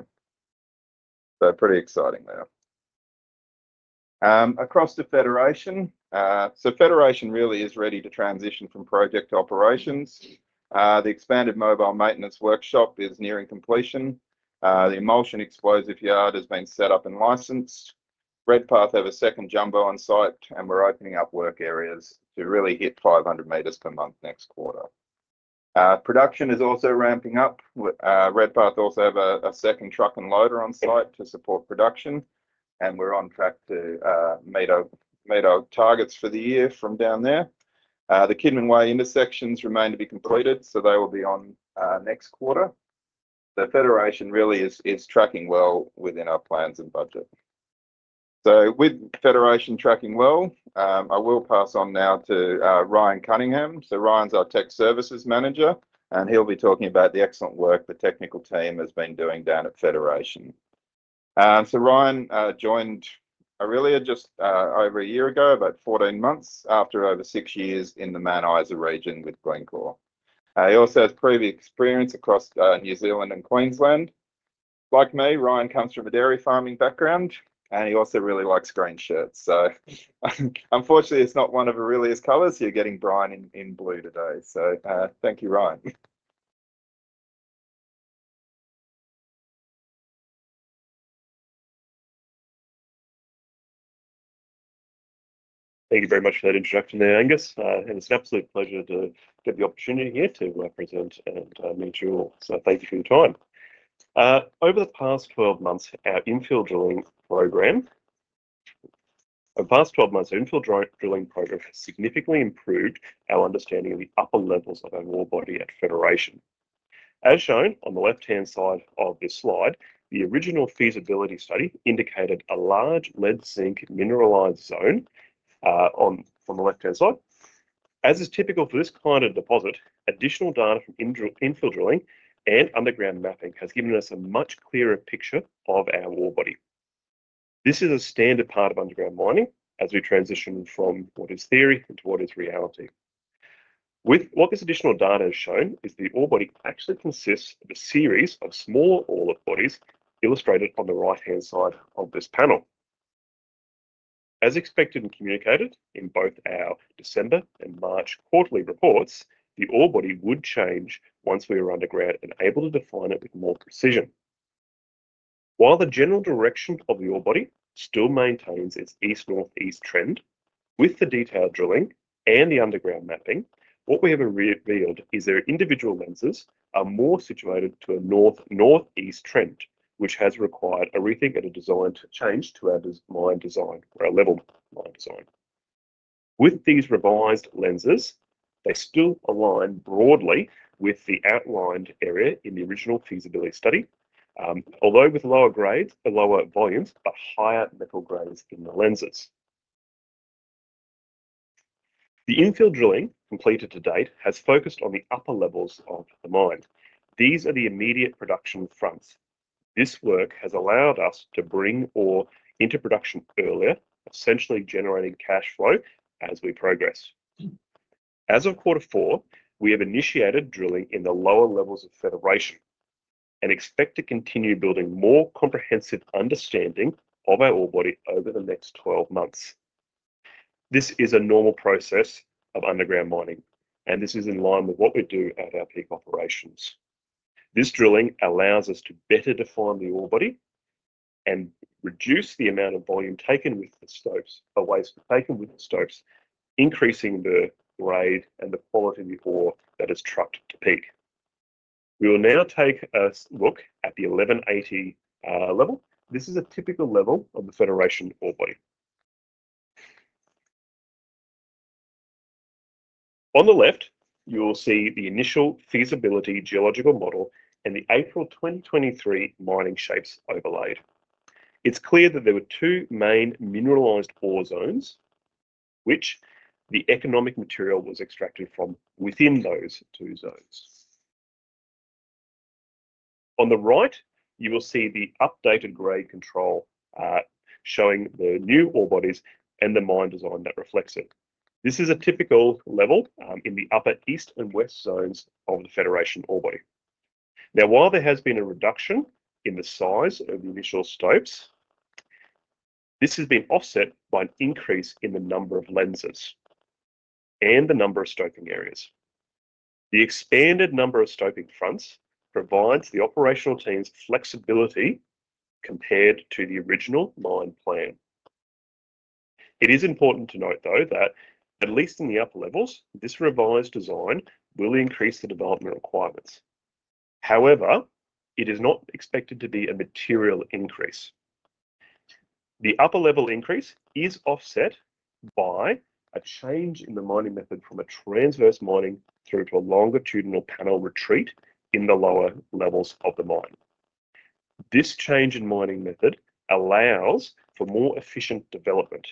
[SPEAKER 3] Pretty exciting there. Across the Federation, Federation really is ready to transition from project to operations. The expanded mobile maintenance workshop is nearing completion. The emulsion explosive yard has been set up and licensed. Red Path have a second jumbo on site, and we're opening up work areas to really hit 500 m per month next quarter. Production is also ramping up. Red Path also have a second truck and loader on site to support production, and we're on track to meet our targets for the year from down there. The Kidman Way intersections remain to be completed, so they will be on next quarter. The Federation really is tracking well within our plans and budget. With Federation tracking well, I will pass on now to Ryan Cunningham. Ryan's our Tech Services Manager, and he'll be talking about the excellent work the technical team has been doing down at Federation. Ryan joined Aurelia just over a year ago, about 14 months after over six years in the Mount Isa region with Glencore. He also has previous experience across New Zealand and Queensland. Like me, Ryan comes from a dairy farming background, and he also really likes green shirts. Unfortunately, it's not one of Aurelia's colors. You're getting Bryan in blue today. Thank you, Ryan.
[SPEAKER 4] Thank you very much for that introduction there, Angus. It's an absolute pleasure to get the opportunity here to represent and meet you all. Thank you for your time. Over the past 12 months, our infill drilling program has significantly improved our understanding of the upper levels of our ore body at Federation. As shown on the left-hand side of this slide, the original feasibility study indicated a large lead zinc mineralized zone from the left-hand side. As is typical for this kind of deposit, additional data from infill drilling and underground mapping has given us a much clearer picture of our ore body. This is a standard part of underground mining as we transition from what is theory into what is reality. What this additional data has shown is the ore body actually consists of a series of smaller ore bodies illustrated on the right-hand side of this panel. As expected and communicated in both our December and March quarterly reports, the ore body would change once we were underground and able to define it with more precision. While the general direction of the ore body still maintains its east-northeast trend with the detailed drilling and the underground mapping, what we have revealed is their individual lenses are more situated to a north-northeast trend, which has required a rethink and a design change to our design or our level design. With these revised lenses, they still align broadly with the outlined area in the original feasibility study, although with lower grades, lower volumes, but higher metal grades in the lenses. The infill drilling completed to date has focused on the upper levels of the mine. These are the immediate production fronts. This work has allowed us to bring ore into production earlier, essentially generating cash flow as we progress. As of quarter four, we have initiated drilling in the lower levels of Federation and expect to continue building more comprehensive understanding of our ore body over the next 12 months. This is a normal process of underground mining, and this is in line with what we do at our Peak operations. This drilling allows us to better define the ore body and reduce the amount of volume taken with the stopes, or waste taken with the stopes, increasing the grade and the quality of the ore that is trucked to Peak. We will now take a look at the 1180 level. This is a typical level of the Federation ore body. On the left, you'll see the initial feasibility geological model and the April 2023 mining shapes overlaid. It's clear that there were two main mineralized ore zones, which the economic material was extracted from within those two zones. On the right, you will see the updated grade control showing the new ore bodies and the mine design that reflects it. This is a typical level in the upper east and west zones of the Federation ore body. Now, while there has been a reduction in the size of the initial stopes, this has been offset by an increase in the number of lenses and the number of stoping areas. The expanded number of stoping fronts provides the operational team's flexibility compared to the original mine plan. It is important to note, though, that at least in the upper levels, this revised design will increase the development requirements. However, it is not expected to be a material increase. The upper level increase is offset by a change in the mining method from a transverse mining through to a longitudinal panel retreat in the lower levels of the mine. This change in mining method allows for more efficient development.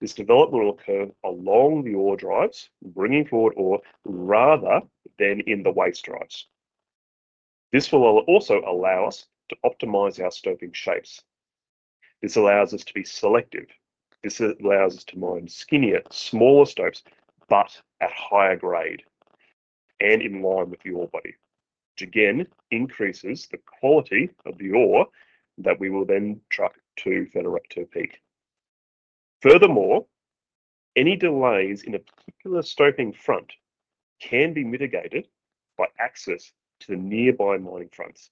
[SPEAKER 4] This development will occur along the ore drives, bringing forward ore rather than in the waste drives. This will also allow us to optimize our stoping shapes. This allows us to be selective. This allows us to mine skinnier, smaller stopes, but at higher grade and in line with the ore body, which again increases the quality of the ore that we will then truck to Federation to Peak. Furthermore, any delays in a particular stoping front can be mitigated by access to the nearby mining fronts.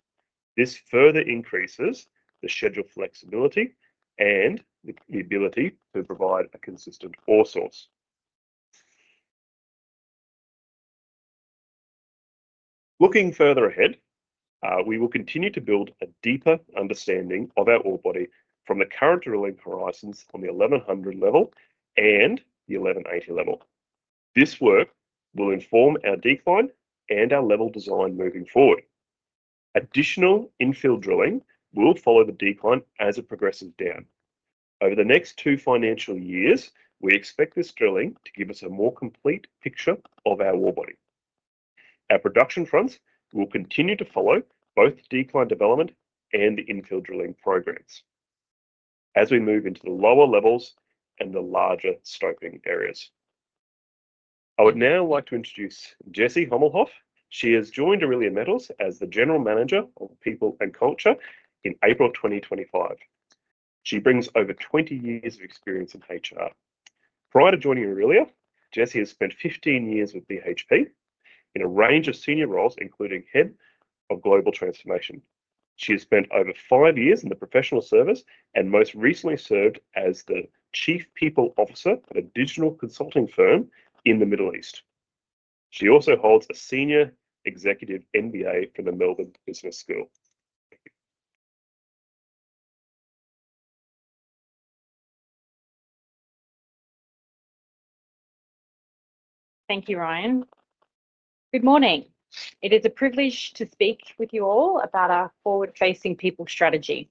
[SPEAKER 4] This further increases the schedule flexibility and the ability to provide a consistent ore source. Looking further ahead, we will continue to build a deeper understanding of our ore body from the current drilling horizons on the 1100 level and the 1180 level. This work will inform our decline and our level design moving forward. Additional infill drilling will follow the decline as it progresses down. Over the next two financial years, we expect this drilling to give us a more complete picture of our ore body. Our production fronts will continue to follow both decline development and the infill drilling programs as we move into the lower levels and the larger stoping areas. I would now like to introduce Jessie Hommelhoff. She has joined Aurelia Metals as the General Manager of People and Culture in April 2025. She brings over 20 years of experience in HR. Prior to joining Aurelia, Jessie has spent 15 years with BHP in a range of senior roles, including Head of Global Transformation. She has spent over five years in the professional service and most recently served as the Chief People Officer at a digital consulting firm in the Middle East. She also holds a Senior Executive MBA from the Melbourne Business School.
[SPEAKER 5] Thank you, Ryan. Good morning. It is a privilege to speak with you all about our forward-facing people strategy.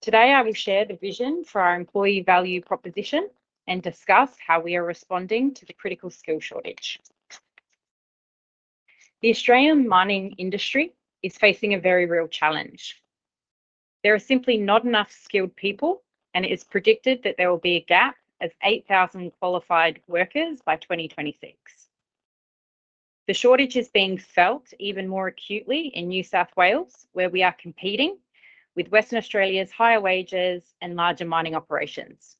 [SPEAKER 5] Today, I will share the vision for our employee value proposition and discuss how we are responding to the critical skill shortage. The Australian mining industry is facing a very real challenge. There are simply not enough skilled people, and it is predicted that there will be a gap of 8,000 qualified workers by 2026. The shortage is being felt even more acutely in New South Wales, where we are competing with Western Australia's higher wages and larger mining operations.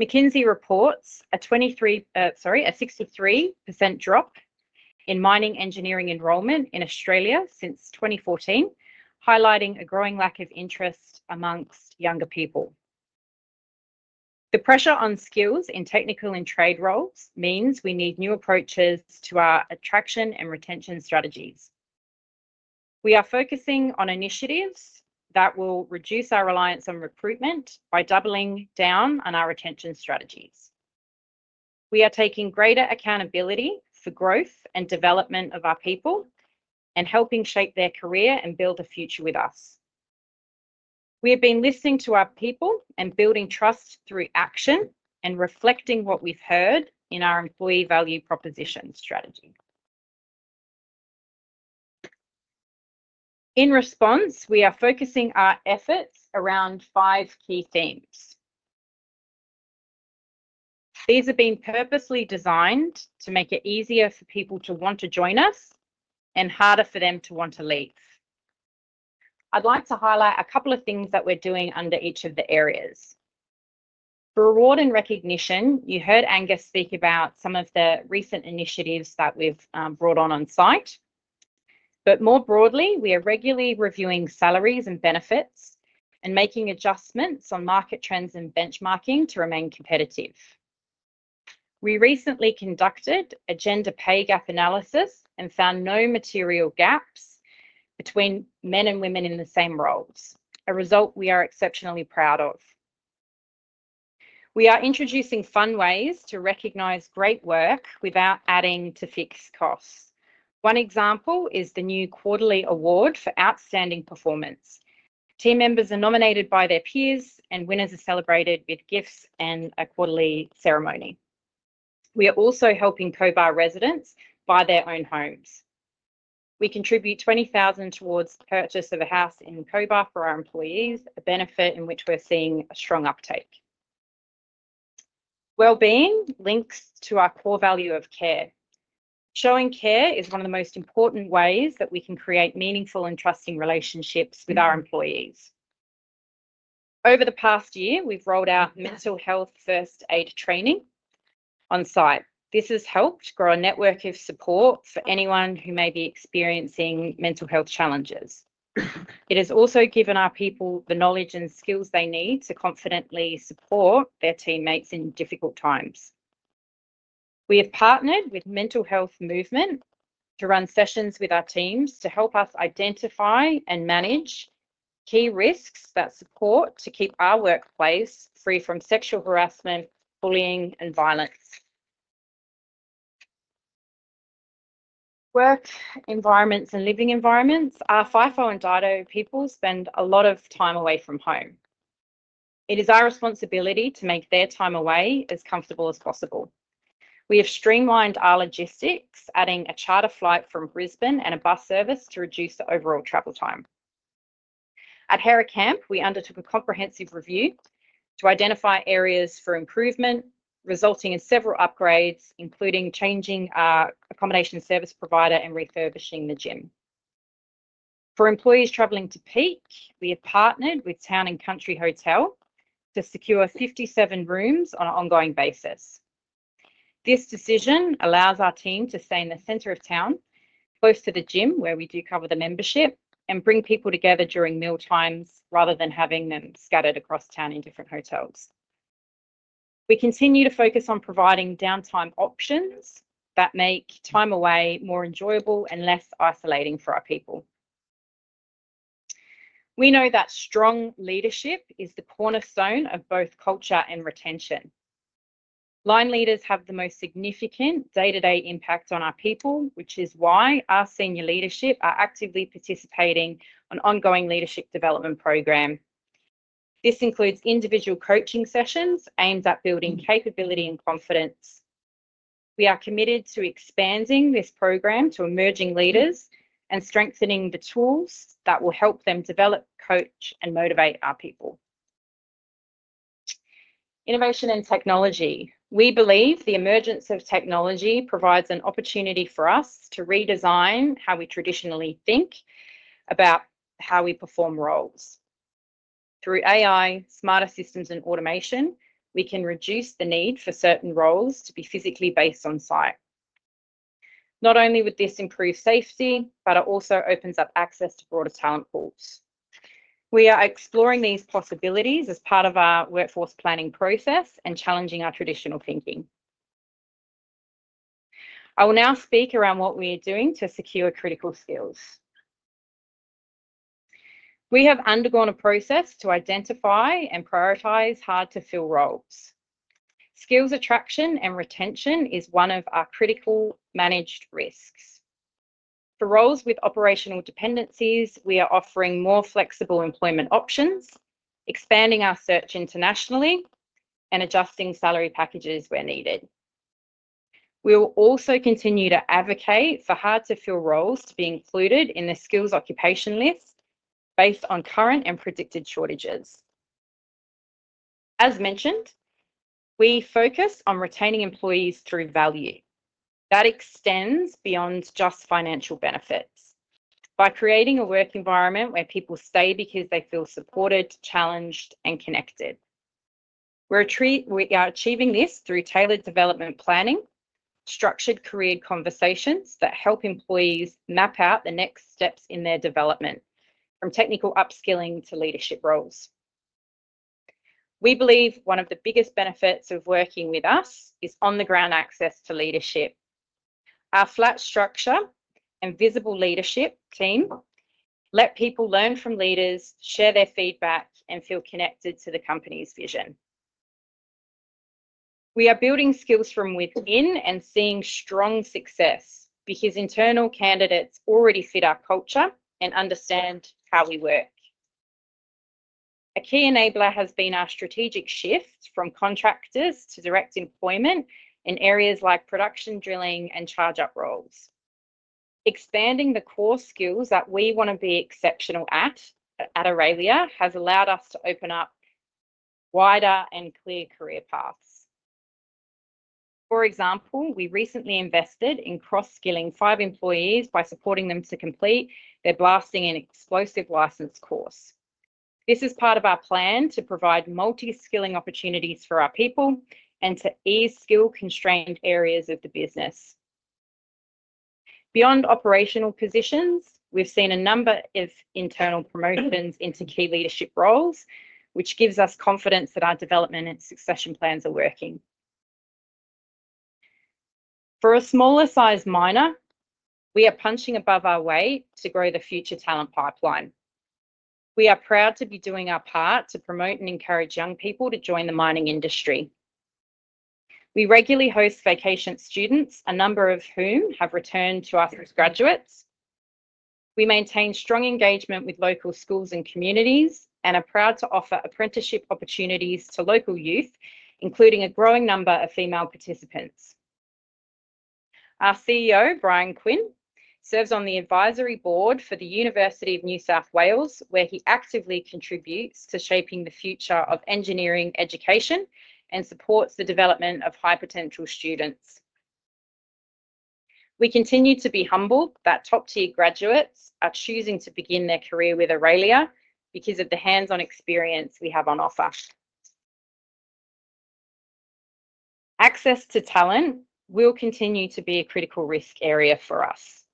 [SPEAKER 5] McKinsey reports a 63% drop in mining engineering enrolment in Australia since 2014, highlighting a growing lack of interest amongst younger people. The pressure on skills in technical and trade roles means we need new approaches to our attraction and retention strategies. We are focusing on initiatives that will reduce our reliance on recruitment by doubling down on our retention strategies. We are taking greater accountability for growth and development of our people and helping shape their career and build a future with us. We have been listening to our people and building trust through action and reflecting what we've heard in our employee value proposition strategy. In response, we are focusing our efforts around five key themes. These have been purposely designed to make it easier for people to want to join us and harder for them to want to leave. I'd like to highlight a couple of things that we're doing under each of the areas. For award and recognition, you heard Angus speak about some of the recent initiatives that we've brought on site. More broadly, we are regularly reviewing salaries and benefits and making adjustments on market trends and benchmarking to remain competitive. We recently conducted a gender pay gap analysis and found no material gaps between men and women in the same roles, a result we are exceptionally proud of. We are introducing fun ways to recognize great work without adding to fixed costs. One example is the new quarterly award for outstanding performance. Team members are nominated by their peers, and winners are celebrated with gifts and a quarterly ceremony. We are also helping Cobar residents buy their own homes. We contribute 20,000 towards the purchase of a house in Cobar for our employees, a benefit in which we're seeing a strong uptake. Wellbeing links to our core value of care. Showing care is one of the most important ways that we can create meaningful and trusting relationships with our employees. Over the past year, we've rolled out mental health first aid training on site. This has helped grow a network of support for anyone who may be experiencing mental health challenges. It has also given our people the knowledge and skills they need to confidently support their teammates in difficult times. We have partnered with Mental Health Movement to run sessions with our teams to help us identify and manage key risks that support to keep our workplace free from sexual harassment, bullying, and violence. Work environments and living environments, our FIFO and DIDO people spend a lot of time away from home. It is our responsibility to make their time away as comfortable as possible. We have streamlined our logistics, adding a charter flight from Brisbane and a bus service to reduce the overall travel time. At Hera Camp, we undertook a comprehensive review to identify areas for improvement, resulting in several upgrades, including changing our accommodation service provider and refurbishing the gym. For employees travelling to Peak, we have partnered with Town and Country Hotel to secure 57 rooms on an ongoing basis. This decision allows our team to stay in the center of town, close to the gym, where we do cover the membership, and bring people together during mealtimes rather than having them scattered across town in different hotels. We continue to focus on providing downtime options that make time away more enjoyable and less isolating for our people. We know that strong leadership is the cornerstone of both culture and retention. Line leaders have the most significant day-to-day impact on our people, which is why our senior leadership are actively participating in an ongoing leadership development program. This includes individual coaching sessions aimed at building capability and confidence. We are committed to expanding this program to emerging leaders and strengthening the tools that will help them develop, coach, and motivate our people. Innovation and technology. We believe the emergence of technology provides an opportunity for us to redesign how we traditionally think about how we perform roles. Through AI, smarter systems, and automation, we can reduce the need for certain roles to be physically based on site. Not only would this improve safety, but it also opens up access to broader talent pools. We are exploring these possibilities as part of our workforce planning process and challenging our traditional thinking. I will now speak around what we are doing to secure critical skills. We have undergone a process to identify and prioritize hard-to-fill roles. Skills attraction and retention is one of our critical managed risks. For roles with operational dependencies, we are offering more flexible employment options, expanding our search internationally, and adjusting salary packages where needed. We will also continue to advocate for hard-to-fill roles to be included in the skills occupation list based on current and predicted shortages. As mentioned, we focus on retaining employees through value that extends beyond just financial benefits by creating a work environment where people stay because they feel supported, challenged, and connected. We are achieving this through tailored development planning, structured career conversations that help employees map out the next steps in their development, from technical upskilling to leadership roles. We believe one of the biggest benefits of working with us is on-the-ground access to leadership. Our flat structure and visible leadership team let people learn from leaders, share their feedback, and feel connected to the company's vision. We are building skills from within and seeing strong success because internal candidates already fit our culture and understand how we work. A key enabler has been our strategic shift from contractors to direct employment in areas like production, drilling, and charge-up roles. Expanding the core skills that we want to be exceptional at at Aurelia has allowed us to open up wider and clear career paths. For example, we recently invested in cross-skilling five employees by supporting them to complete their blasting and explosive license course. This is part of our plan to provide multi-skilling opportunities for our people and to ease skill-constrained areas of the business. Beyond operational positions, we've seen a number of internal promotions into key leadership roles, which gives us confidence that our development and succession plans are working. For a smaller-sized miner, we are punching above our weight to grow the future talent pipeline. We are proud to be doing our part to promote and encourage young people to join the mining industry. We regularly host vacation students, a number of whom have returned to us as graduates. We maintain strong engagement with local schools and communities and are proud to offer apprenticeship opportunities to local youth, including a growing number of female participants. Our CEO, Bryan Quinn, serves on the advisory board for the University of New South Wales, where he actively contributes to shaping the future of engineering education and supports the development of high-potential students. We continue to be humbled that top-tier graduates are choosing to begin their career with Aurelia because of the hands-on experience we have on offer. Access to talent will continue to be a critical risk area for us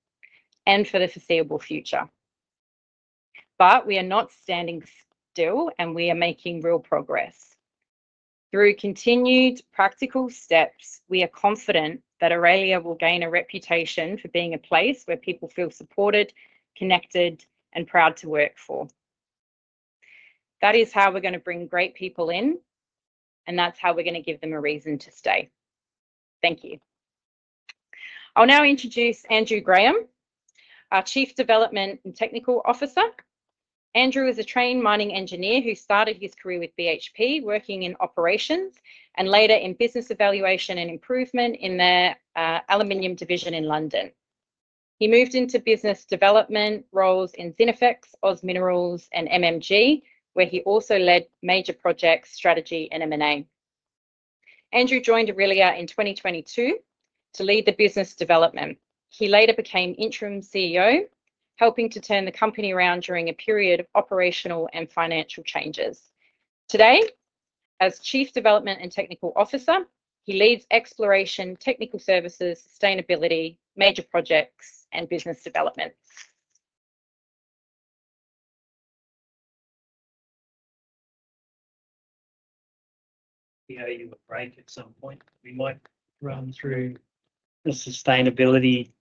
[SPEAKER 5] and for the foreseeable future. We are not standing still, and we are making real progress. Through continued practical steps, we are confident that Aurelia will gain a reputation for being a place where people feel supported, connected, and proud to work for. That is how we're going to bring great people in, and that's how we're going to give them a reason to stay. Thank you. I'll now introduce Andrew Graham, our Chief Development and Technical Officer. Andrew is a trained mining engineer who started his career with BHP working in operations and later in business evaluation and improvement in the aluminium division in London. He moved into business development roles in Zinifex, Oz Minerals, and MMG, where he also led major projects, strategy, and M&A. Andrew joined Aurelia in 2022 to lead the business development. He later became interim CEO, helping to turn the company around during a period of operational and financial changes. Today, as Chief Development and Technical Officer, he leads exploration, technical services, sustainability, major projects, and business development.
[SPEAKER 6] We owe you a break at some point. We might run through the sustainability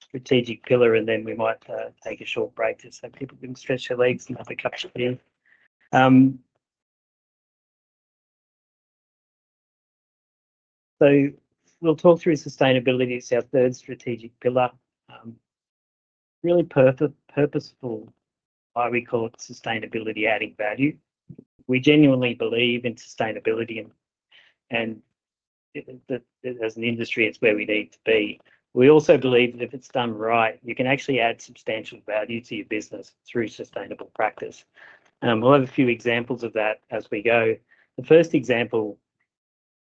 [SPEAKER 6] strategic pillar, and then we might take a short break just so people can stretch their legs and have a cup of tea. We will talk through sustainability. It is our third strategic pillar. Really purposeful why we call it sustainability adding value. We genuinely believe in sustainability, and as an industry, it is where we need to be. We also believe that if it is done right, you can actually add substantial value to your business through sustainable practice. We will have a few examples of that as we go. The first example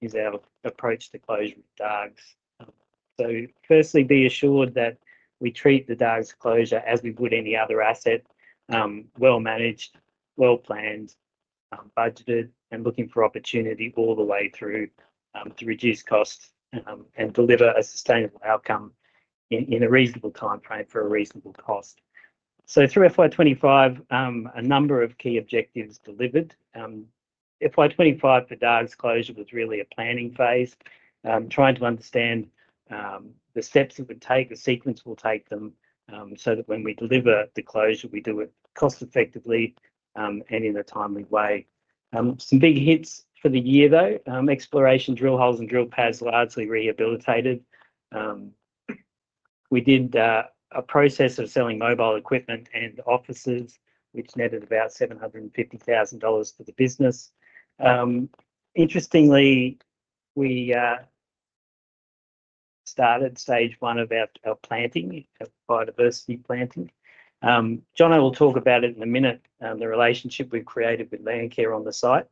[SPEAKER 6] is our approach to closure with Dargues. Firstly, be assured that we treat the Dargues closure as we would any other asset: well-managed, well-planned, budgeted, and looking for opportunity all the way through to reduce costs and deliver a sustainable outcome in a reasonable timeframe for a reasonable cost. Through FY 2025, a number of key objectives delivered. FY 2025 for Dargues closure was really a planning phase, trying to understand the steps it would take, the sequence it will take them so that when we deliver the closure, we do it cost-effectively and in a timely way. Some big hits for the year, though: exploration, drill holes, and drill pads largely rehabilitated. We did a process of selling mobile equipment and offices, which netted about 750,000 dollars for the business. Interestingly, we started stage one of our planting, our biodiversity planting. Jona, I will talk about it in a minute, the relationship we have created with Landcare on the site.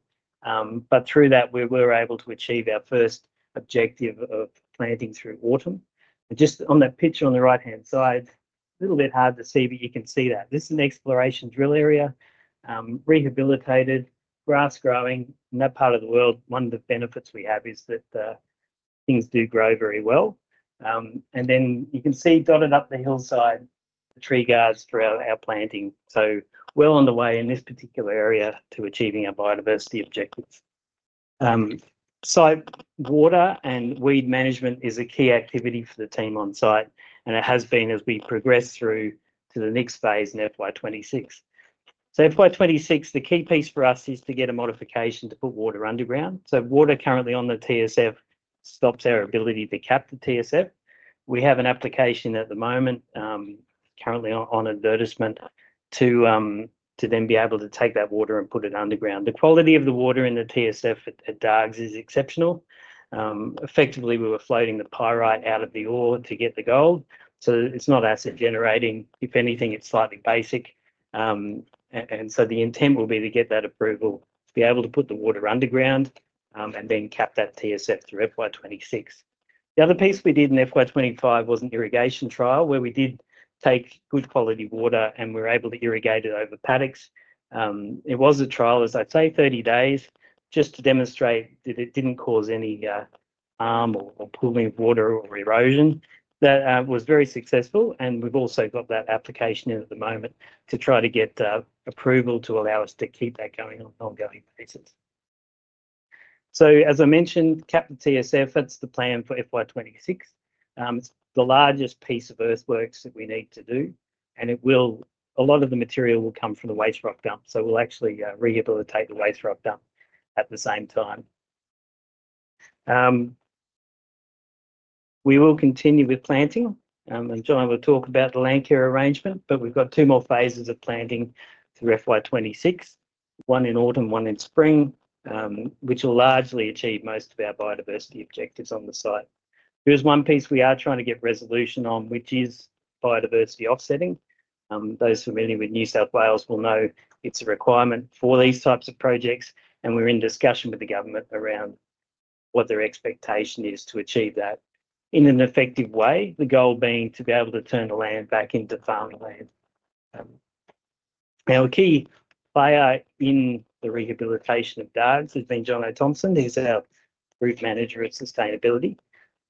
[SPEAKER 6] Through that, we were able to achieve our first objective of planting through autumn. Just on that picture on the right-hand side, a little bit hard to see, but you can see that. This is an exploration drill area, rehabilitated, grass growing. In that part of the world, one of the benefits we have is that things do grow very well. You can see dotted up the hillside the tree guards for our planting. Well on the way in this particular area to achieving our biodiversity objectives. Water and weed management is a key activity for the team on site, and it has been as we progress through to the next phase in FY 2026. FY 2026, the key piece for us is to get a modification to put water underground. Water currently on the TSF stops our ability to cap the TSF. We have an application at the moment, currently on advertisement, to then be able to take that water and put it underground. The quality of the water in the TSF at Dargues is exceptional. Effectively, we were floating the pyrite out of the ore to get the gold. It is not acid-generating. If anything, it is slightly basic. The intent will be to get that approval to be able to put the water underground and then cap that TSF through FY 2026. The other piece we did in FY 2025 was an irrigation trial where we did take good quality water and were able to irrigate it over paddocks. It was a trial, as I say, 30 days, just to demonstrate that it did not cause any harm or pooling of water or erosion. That was very successful, and we have also got that application in at the moment to try to get approval to allow us to keep that going on an ongoing basis. As I mentioned, cap the TSF, that is the plan for FY 2026. It is the largest piece of earthworks that we need to do, and a lot of the material will come from the waste rock dump. We will actually rehabilitate the waste rock dump at the same time. We will continue with planting. Jona will talk about the Landcare arrangement, but we have got two more phases of planting through FY 2026, one in autumn, one in spring, which will largely achieve most of our biodiversity objectives on the site. There is one piece we are trying to get resolution on, which is biodiversity offsetting. Those familiar with New South Wales will know it's a requirement for these types of projects, and we're in discussion with the government around what their expectation is to achieve that in an effective way, the goal being to be able to turn the land back into farmland. Our key player in the rehabilitation of Dargues has been Jonathon Thompson. He's our Group Manager of Sustainability.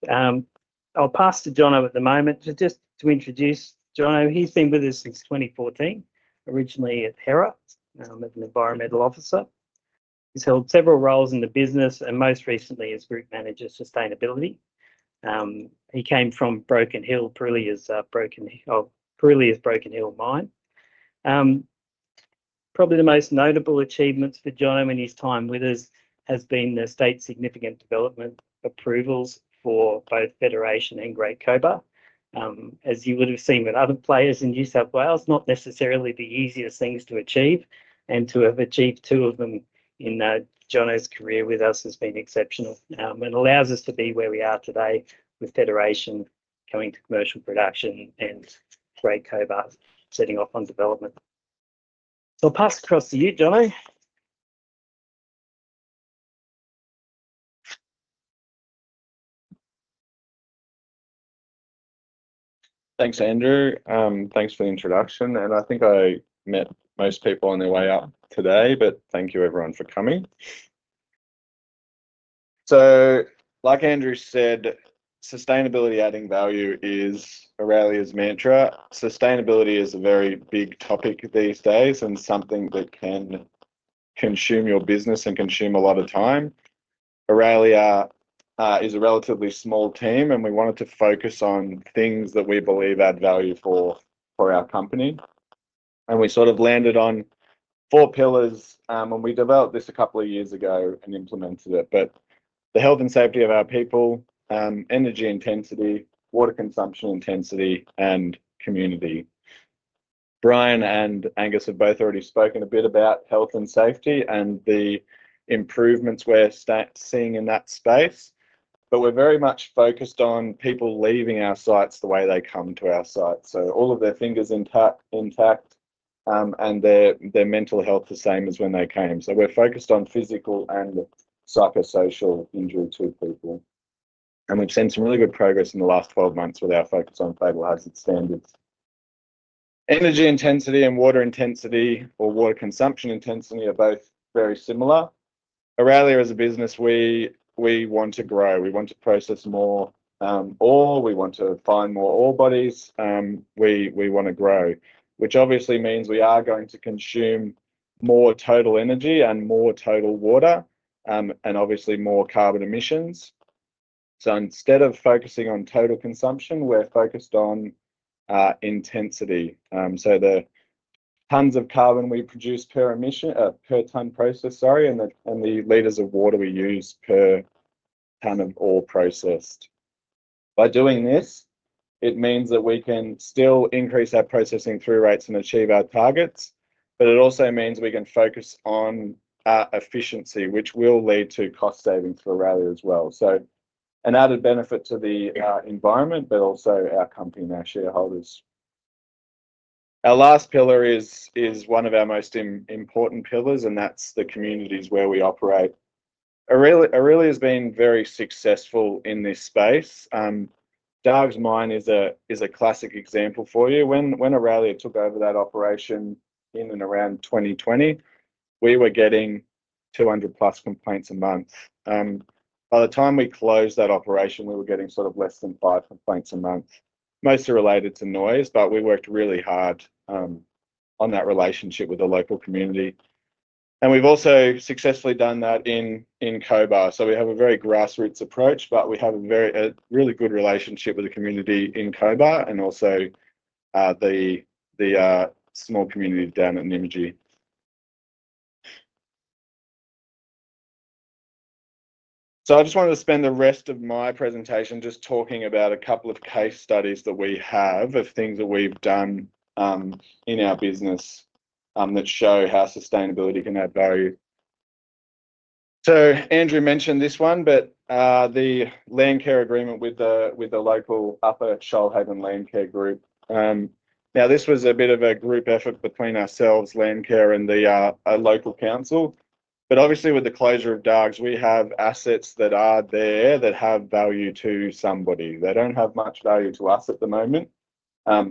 [SPEAKER 6] I'll pass to Jonathon. at the moment just to introduce Jonathon. He's been with us since 2014, originally at Hera as an environmental officer. He's held several roles in the business and most recently as Group Manager of Sustainability. He came from Broken Hill, probably as Broken Hill Mine. Probably the most notable achievements for Jona. In his time with us have been the state significant development approvals for both Federation and Great Cobar, as you would have seen with other players in New South Wales. Not necessarily the easiest things to achieve, and to have achieved two of them in Jona's career with us has been exceptional. It allows us to be where we are today with Federation coming to commercial production and Great Cobar setting off on development. I'll pass across to you, Jona.
[SPEAKER 7] Thanks, Andrew. Thanks for the introduction. I think I met most people on their way out today, but thank you everyone for coming. Like Andrew said, sustainability adding value is Aurelia's mantra. Sustainability is a very big topic these days and something that can consume your business and consume a lot of time. Aurelia is a relatively small team, and we wanted to focus on things that we believe add value for our company. We sort of landed on four pillars, and we developed this a couple of years ago and implemented it. The health and safety of our people, energy intensity, water consumption intensity, and community. Bryan and Angus have both already spoken a bit about health and safety and the improvements we're seeing in that space. We are very much focused on people leaving our sites the way they come to our sites. All of their fingers intact and their mental health the same as when they came. We are focused on physical and psychosocial injury to people. We have seen some really good progress in the last 12 months with our focus on fatal hazard standards. Energy intensity and water intensity or water consumption intensity are both very similar. Aurelia as a business, we want to grow. We want to process more ore. We want to find more ore bodies. We want to grow, which obviously means we are going to consume more total energy and more total water and obviously more carbon emissions. Instead of focusing on total consumption, we're focused on intensity. The tonnes of carbon we produce per tonne processed, sorry, and the liters of water we use per tonne of ore processed. By doing this, it means that we can still increase our processing through rates and achieve our targets, but it also means we can focus on our efficiency, which will lead to cost savings for Aurelia as well. An added benefit to the environment, but also our company and our shareholders. Our last pillar is one of our most important pillars, and that's the communities where we operate. Aurelia has been very successful in this space. Dargues Mine is a classic example for you. When Aurelia took over that operation in and around 2020, we were getting 200+ complaints a month. By the time we closed that operation, we were getting sort of less than five complaints a month. Most are related to noise, but we worked really hard on that relationship with the local community. We have also successfully done that in Cobar. We have a very grassroots approach, but we have a really good relationship with the community in Cobar and also the small community down at Nymagee. I just wanted to spend the rest of my presentation just talking about a couple of case studies that we have of things that we've done in our business that show how sustainability can add value. Andrew mentioned this one, but the Landcare agreement with the local Upper Schullhaven Landcare Group. Now, this was a bit of a group effort between ourselves, Landcare, and the local council. Obviously, with the closure of Dargues, we have assets that are there that have value to somebody. They do not have much value to us at the moment,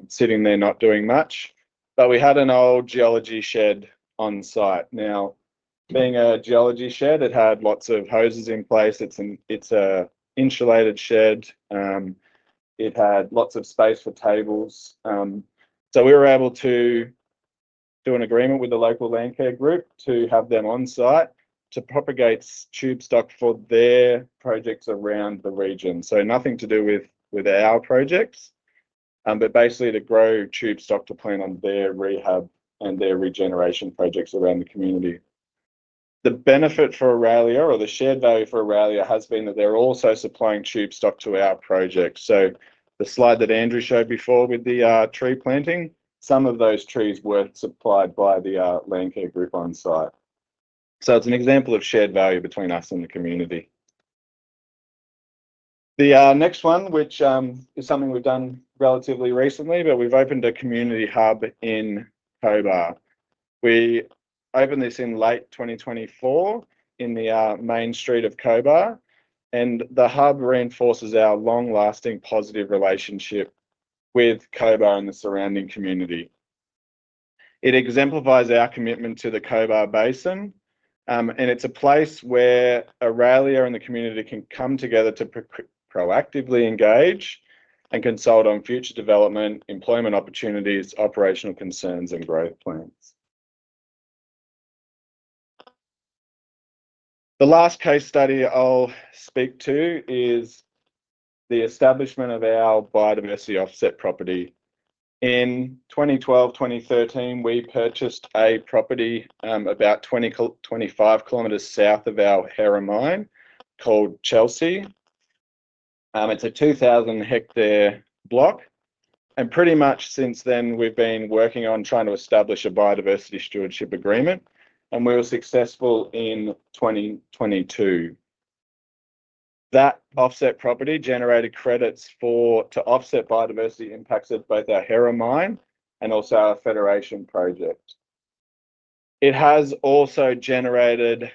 [SPEAKER 7] sitting there not doing much. We had an old geology shed on site. Now, being a geology shed, it had lots of hoses in place. It is an insulated shed. It had lots of space for tables. We were able to do an agreement with the local Landcare group to have them on site to propagate tube stock for their projects around the region. Nothing to do with our projects, but basically to grow tube stock to plant on their rehab and their regeneration projects around the community. The benefit for Aurelia or the shared value for Aurelia has been that they're also supplying tube stock to our projects. The slide that Andrew showed before with the tree planting, some of those trees were supplied by the Landcare group on site. It's an example of shared value between us and the community. The next one, which is something we've done relatively recently, we've opened a community hub in Cobar. We opened this in late 2024 in the main street of Cobar, and the hub reinforces our long-lasting positive relationship with Cobar and the surrounding community. It exemplifies our commitment to the Cobar Basin, and it is a place where Aurelia and the community can come together to proactively engage and consult on future development, employment opportunities, operational concerns, and growth plans. The last case study I will speak to is the establishment of our biodiversity offset property. In 2012, 2013, we purchased a property about 20 km-25 km south of our Hera mine called Chelsea. It is a 2,000-hectare block. And pretty much since then, we have been working on trying to establish a biodiversity stewardship agreement, and we were successful in 2022. That offset property generated credits to offset biodiversity impacts at both our Hera mine and also our Federation project. It has also generated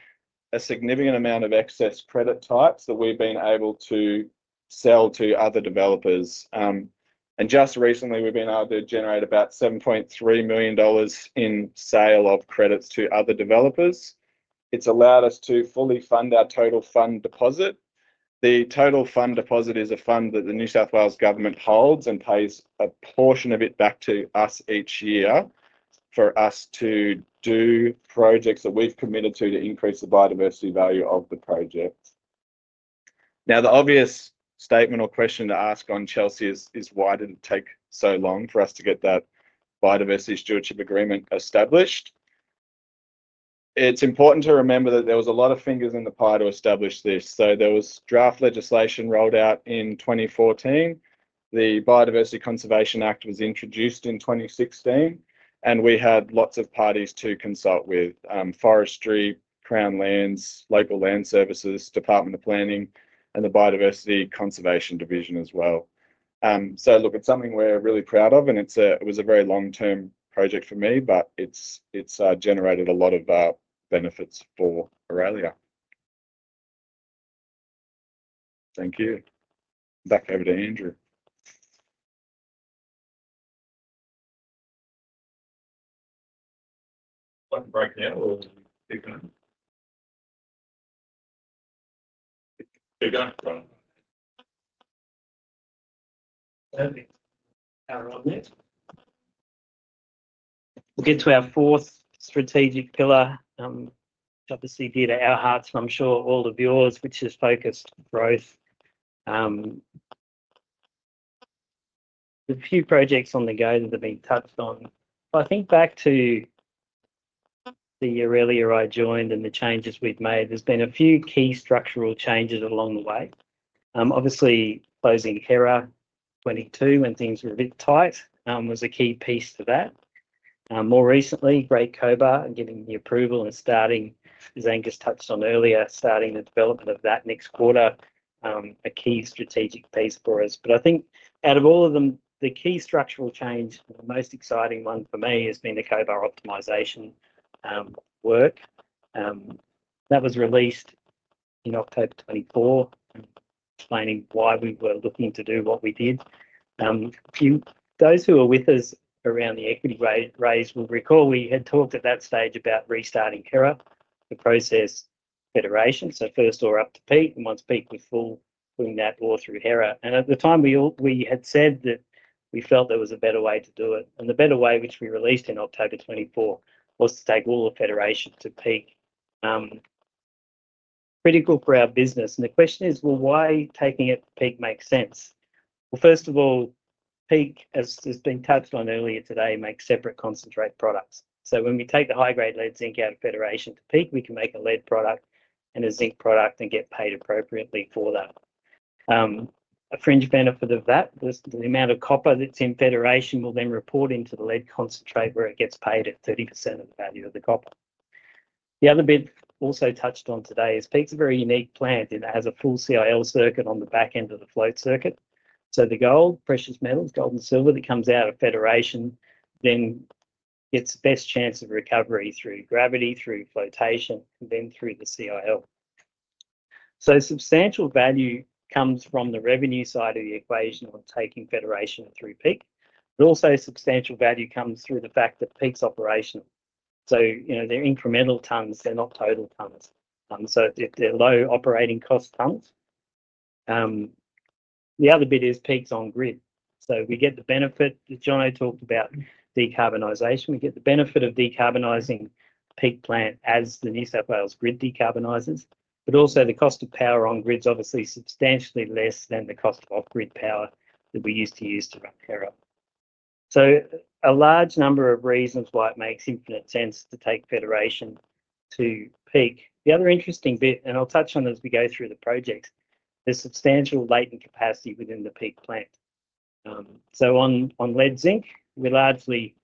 [SPEAKER 7] a significant amount of excess credit types that we've been able to sell to other developers. Just recently, we've been able to generate about 7.3 million dollars in sale of credits to other developers. It's allowed us to fully fund our total fund deposit. The total fund deposit is a fund that the New South Wales government holds and pays a portion of it back to us each year for us to do projects that we've committed to to increase the biodiversity value of the project. Now, the obvious statement or question to ask on Chelsea is, why did it take so long for us to get that biodiversity stewardship agreement established? It's important to remember that there was a lot of fingers in the pie to establish this. There was draft legislation rolled out in 2014. The Biodiversity Conservation Act was introduced in 2016, and we had lots of parties to consult with: Forestry, Crown Lands, Local Land Services, Department of Planning, and the Biodiversity Conservation Division as well. Look, it's something we're really proud of, and it was a very long-term project for me, but it's generated a lot of benefits for Aurelia. Thank you. Back over to Andrew.
[SPEAKER 8] I can break it out or keep going? Keep going.
[SPEAKER 6] We'll get to our fourth strategic pillar, which obviously is dear to our hearts and I'm sure all of yours, which is focused growth. There's a few projects on the go that have been touched on. If I think back to the Aurelia I joined and the changes we've made, there's been a few key structural changes along the way. Obviously, closing Hera in 2022 when things were a bit tight was a key piece to that. More recently, Great Cobar getting the approval and starting, as Angus touched on earlier, starting the development of that next quarter, a key strategic piece for us. I think out of all of them, the key structural change, the most exciting one for me has been the Cobar optimization work. That was released in October 2024, explaining why we were looking to do what we did. Those who are with us around the equity raise will recall we had talked at that stage about restarting Hera, the process, Federation, so first ore up to Peak, and once Peak was full, bring that ore through Hera. At the time, we had said that we felt there was a better way to do it. The better way, which we released in October 2024, was to take all the Federation to Peak. Critical for our business. The question is, why taking it to Peak makes sense? First of all, Peak, as has been touched on earlier today, makes separate concentrate products. When we take the high-grade lead zinc out of Federation to Peak, we can make a lead product and a zinc product and get paid appropriately for that. A fringe benefit of that, the amount of copper that's in Federation will then report into the lead concentrate where it gets paid at 30% of the value of the copper. The other bit also touched on today is Peak's a very unique plant. It has a full CIL circuit on the back end of the float circuit. The gold, precious metals, gold and silver that comes out of Federation then gets the best chance of recovery through gravity, through flotation, and then through the CIL. Substantial value comes from the revenue side of the equation when taking Federation through Peak. Also, substantial value comes through the fact that Peak's operational. They're incremental tonnes. They're not total tonnes. They're low operating cost tonnes. The other bit is Peak's on grid. We get the benefit that Jona talked about, decarbonization. We get the benefit of decarbonizing Peak plant as the New South Wales grid decarbonizes, but also the cost of power on grid is obviously substantially less than the cost of off-grid power that we used to use to run Hera. A large number of reasons why it makes infinite sense to take Federation to Peak. The other interesting bit, and I'll touch on it as we go through the project, is substantial latent capacity within the Peak plant. On lead zinc, we're largely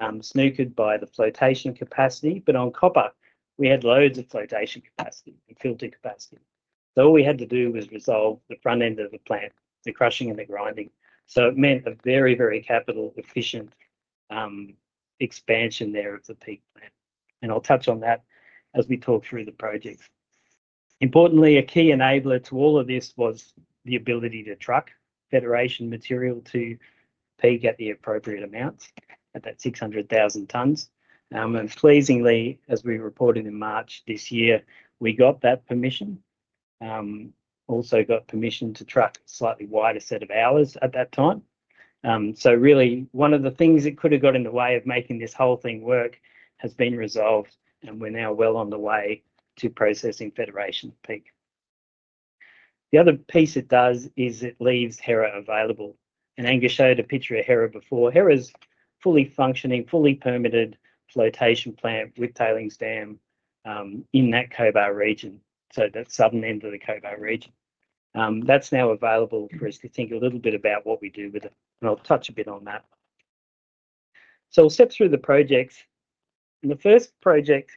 [SPEAKER 6] snookered by the flotation capacity, but on copper, we had loads of flotation capacity and filter capacity. All we had to do was resolve the front end of the plant, the crushing and the grinding. It meant a very, very capital-efficient expansion there of the Peak plant. I'll touch on that as we talk through the projects. Importantly, a key enabler to all of this was the ability to truck Federation material to Peak at the appropriate amounts at that 600,000 tonnes. Pleasingly, as we reported in March this year, we got that permission. We also got permission to truck a slightly wider set of hours at that time. Really, one of the things that could have got in the way of making this whole thing work has been resolved, and we're now well on the way to processing Federation Peak. The other piece it does is it leaves Hera available. Angus showed a picture of Hera before. Hera's fully functioning, fully permitted flotation plant with tailings dam in that Cobar region, that southern end of the Cobar region. That is now available for us to think a little bit about what we do with it, and I'll touch a bit on that. We'll step through the projects. The first project,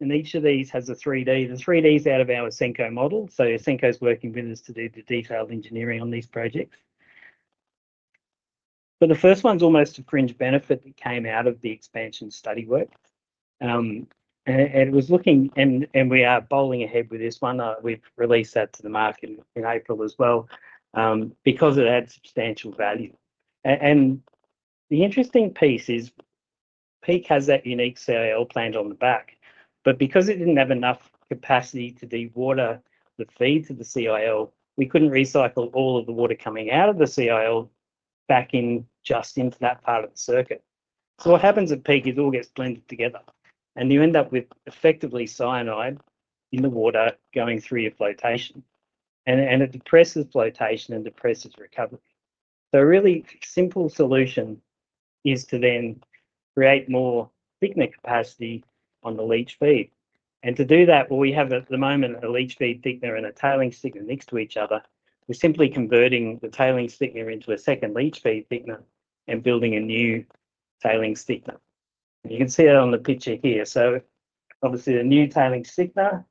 [SPEAKER 6] and each of these has a 3D. The 3D's out of our Asinco model. Asinco's working with us to do the detailed engineering on these projects. The first one's almost a fringe benefit that came out of the expansion study work. It was looking, and we are bowling ahead with this one. We've released that to the market in April as well because it had substantial value. The interesting piece is Peak has that unique CIL plant on the back, but because it did not have enough capacity to dewater the feed to the CIL, we could not recycle all of the water coming out of the CIL back in just into that part of the circuit. What happens at Peak is it all gets blended together, and you end up with effectively cyanide in the water going through your flotation. It depresses flotation and depresses recovery. A really simple solution is to then create more thickener capacity on the leach feed. To do that, we have at the moment a leach feed thickener and a tailings thickener next to each other. We are simply converting the tailings thickener into a second leach feed thickener and building a new tailings thickener. You can see it on the picture here. The new tailings thickener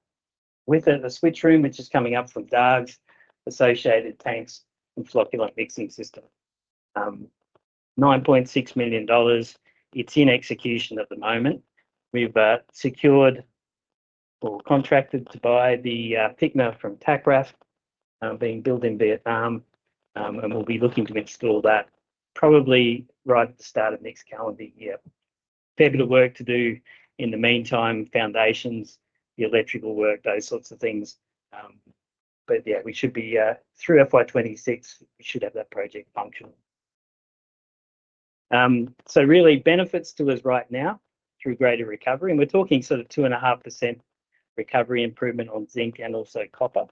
[SPEAKER 6] with the switch room, which is coming up from Dargues, associated tanks, and flocculant mixing system. 9.6 million dollars. It is in execution at the moment. We've secured or contracted to buy the thickener from Tacraf being built in Vietnam, and we'll be looking to install that probably right at the start of next calendar year. Fair bit of work to do in the meantime, foundations, the electrical work, those sorts of things. Yeah, we should be through FY 2026, we should have that project functioning. Really, benefits to us right now through greater recovery. We're talking sort of 2.5% recovery improvement on zinc and also copper.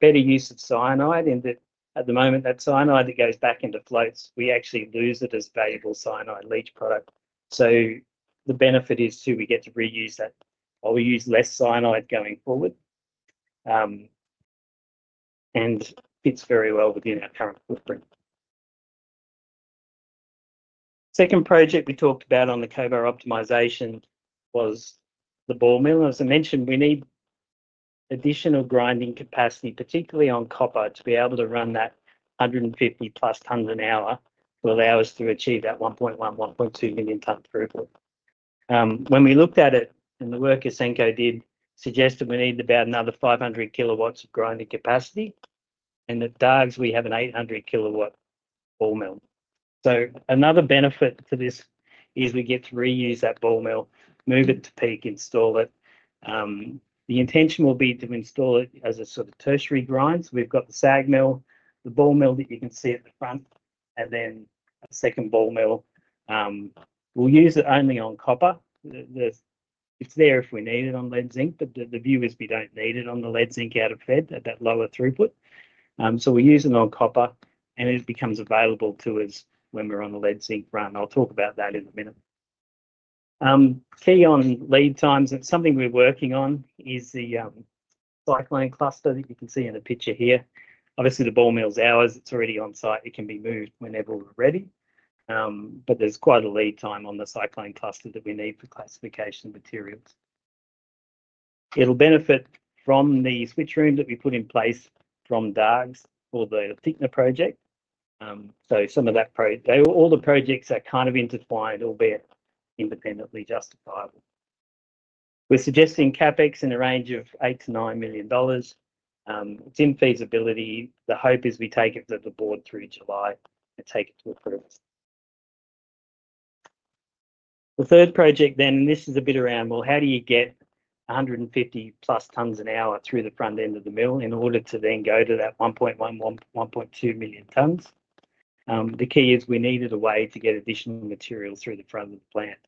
[SPEAKER 6] Better use of cyanide in that at the moment, that cyanide that goes back into floats, we actually lose it as valuable cyanide leach product. The benefit is too we get to reuse that or we use less cyanide going forward. It fits very well within our current footprint. Second project we talked about on the Cobar optimization was the ball mill. As I mentioned, we need additional grinding capacity, particularly on copper, to be able to run that 150+ tonnes an hour to allow us to achieve that 1.1 million-1.2 million tonnes throughput. When we looked at it and the work Asinco did suggest that we need about another 500 kW of grinding capacity. At Dargues, we have an 800 kW ball mill. Another benefit to this is we get to reuse that ball mill, move it to Peak, install it. The intention will be to install it as a sort of tertiary grind. We have the SAG mill, the ball mill that you can see at the front, and then a second ball mill. We will use it only on copper. It's there if we need it on lead zinc, but the view is we don't need it on the lead zinc out of feed at that lower throughput. We use it on copper, and it becomes available to us when we're on the lead zinc run. I'll talk about that in a minute. Key on lead times, and something we're working on is the cyclone cluster that you can see in the picture here. Obviously, the ball mill's ours. It's already on site. It can be moved whenever we're ready. There is quite a lead time on the cyclone cluster that we need for classification materials. It'll benefit from the switch room that we put in place from Dargues for the thickener project. Some of that, all the projects are kind of intertwined, albeit independently justifiable. We're suggesting CapEx in a range of 8 million-9 million dollars. It's in feasibility. The hope is we take it to the board through July and take it to approval. The third project then, and this is a bit around, well, how do you get 150+ tonnes an hour through the front end of the mill in order to then go to that 1.1 million-1.2 million tonnes? The key is we needed a way to get additional material through the front of the plant.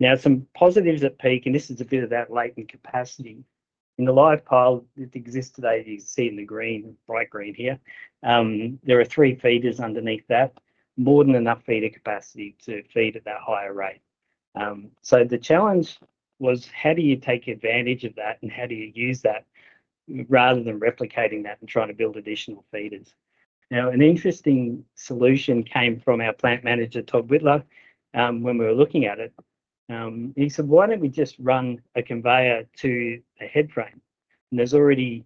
[SPEAKER 6] Now, some positives at Peak, and this is a bit of that latent capacity. In the live pile that exists today, you can see in the green, bright green here, there are three feeders underneath that, more than enough feeder capacity to feed at that higher rate. The challenge was, how do you take advantage of that and how do you use that rather than replicating that and trying to build additional feeders? Now, an interesting solution came from our Plant Manager, Todd Whitler, when we were looking at it. He said, "Why don't we just run a conveyor to a head frame?" And there's already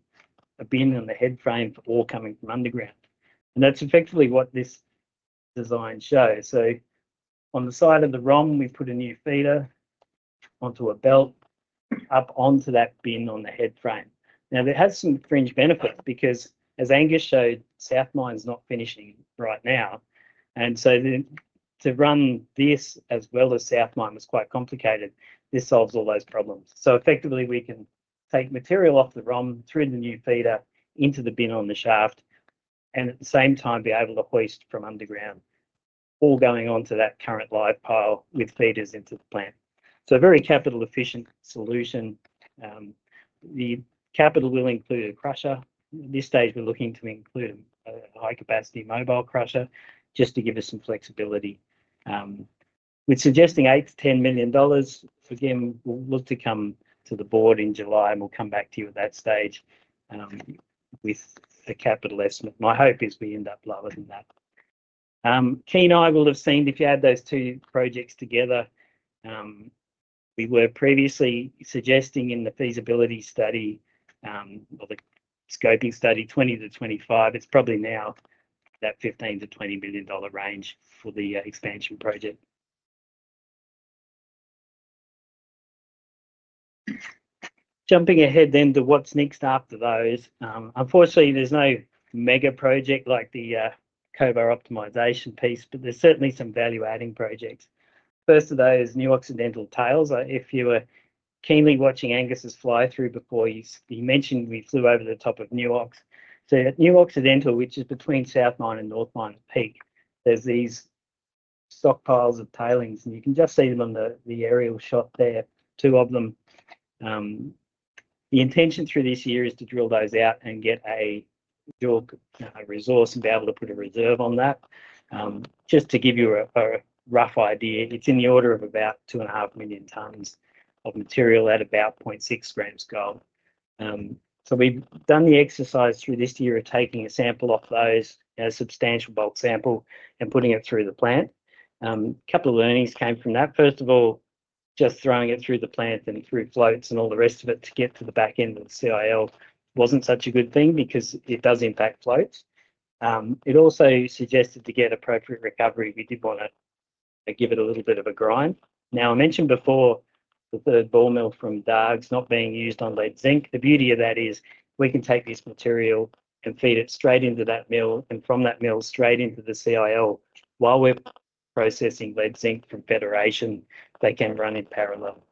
[SPEAKER 6] a bin on the head frame for ore coming from underground. That is effectively what this design shows. On the side of the rung, we've put a new feeder onto a belt up onto that bin on the head frame. It has some fringe benefits because, as Angus showed, South Mine's not finishing right now. To run this as well as South Mine was quite complicated. This solves all those problems. Effectively, we can take material off the rung through the new feeder into the bin on the shaft and at the same time be able to hoist from underground, all going onto that current live pile with feeders into the plant. A very capital-efficient solution. The capital will include a crusher. At this stage, we're looking to include a high-capacity mobile crusher just to give us some flexibility. We're suggesting 8 million-10 million dollars. Again, we'll look to come to the board in July, and we'll come back to you at that stage with a capital estimate. My hope is we end up lower than that. Keen eye will have seen if you add those two projects together. We were previously suggesting in the feasibility study or the scoping study, 20 million-25 million. It's probably now that 15 million-20 million dollar range for the expansion project. Jumping ahead then to what's next after those. Unfortunately, there's no mega project like the Cobar optimization piece, but there's certainly some value-adding projects. First of those is New Occidental Tales. If you were keenly watching Angus's fly-through before, you mentioned we flew over the top of New Ox. At New Occidental, which is between South Mine and North Mine at Peak, there are these stockpiles of tailings, and you can just see them in the aerial shot there, two of them. The intention through this year is to drill those out and get a resource and be able to put a reserve on that. Just to give you a rough idea, it is in the order of about 2.5 million tonnes of material at about 0.6 gr gold. We have done the exercise through this year of taking a sample off those, a substantial bulk sample, and putting it through the plant. A couple of learnings came from that. First of all, just throwing it through the plant and through floats and all the rest of it to get to the back end of the CIL was not such a good thing because it does impact floats. It also suggested to get appropriate recovery if you did want to give it a little bit of a grind. Now, I mentioned before the third ball mill from Dargues not being used on lead zinc. The beauty of that is we can take this material and feed it straight into that mill and from that mill straight into the CIL while we are processing lead zinc from Federation. They can run in parallel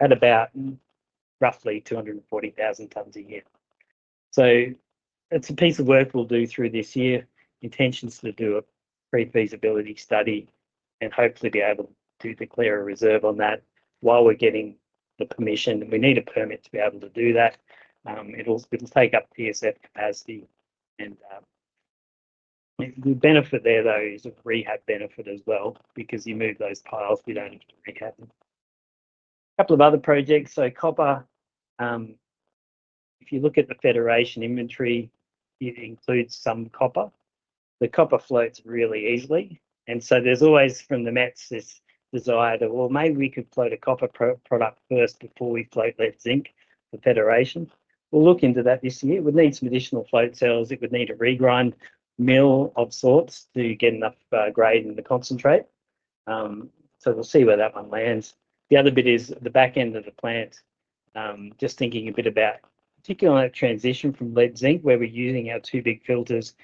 [SPEAKER 6] at about roughly 240,000 tonnes a year. It is a piece of work we will do through this year. Intention is to do a pre-feasibility study and hopefully be able to declare a reserve on that while we are getting the permission. We need a permit to be able to do that. It'll take up TSF capacity. The benefit there, though, is a rehab benefit as well because you move those piles, we don't have to rehab them. A couple of other projects. Copper, if you look at the Federation inventory, it includes some copper. The copper floats really easily. There's always from the Metals this desire to, well, maybe we could float a copper product first before we float lead zinc for Federation. We'll look into that this year. We'd need some additional float cells. It would need a regrind mill of sorts to get enough grade in the concentrate. We'll see where that one lands. The other bit is the back end of the plant. Just thinking a bit about particularly that transition from lead zinc where we're using our two big filters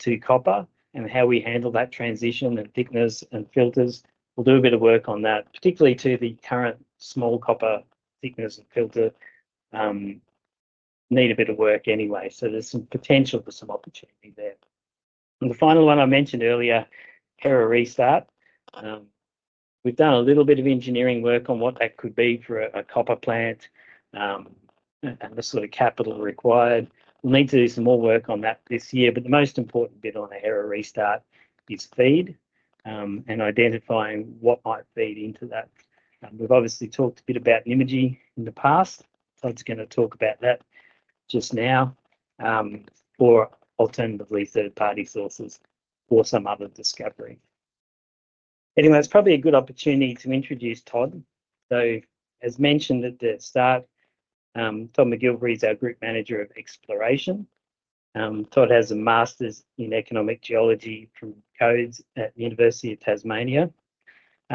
[SPEAKER 6] to copper and how we handle that transition and thickeners and filters. We'll do a bit of work on that, particularly to the current small copper thickener and filter. Need a bit of work anyway. There's some potential for some opportunity there. The final one I mentioned earlier, Hera restart. We've done a little bit of engineering work on what that could be for a copper plant and the sort of capital required. We'll need to do some more work on that this year. The most important bit on the Hera restart is feed and identifying what might feed into that. We've obviously talked a bit about imaging in the past. Todd's going to talk about that just now or alternatively third-party sources or some other discovery. Anyway, it's probably a good opportunity to introduce Todd. As mentioned at the start, Todd McGilvray is our Group Manager of Exploration. Todd has a master's in economic geology from CODES at the University of Tasmania.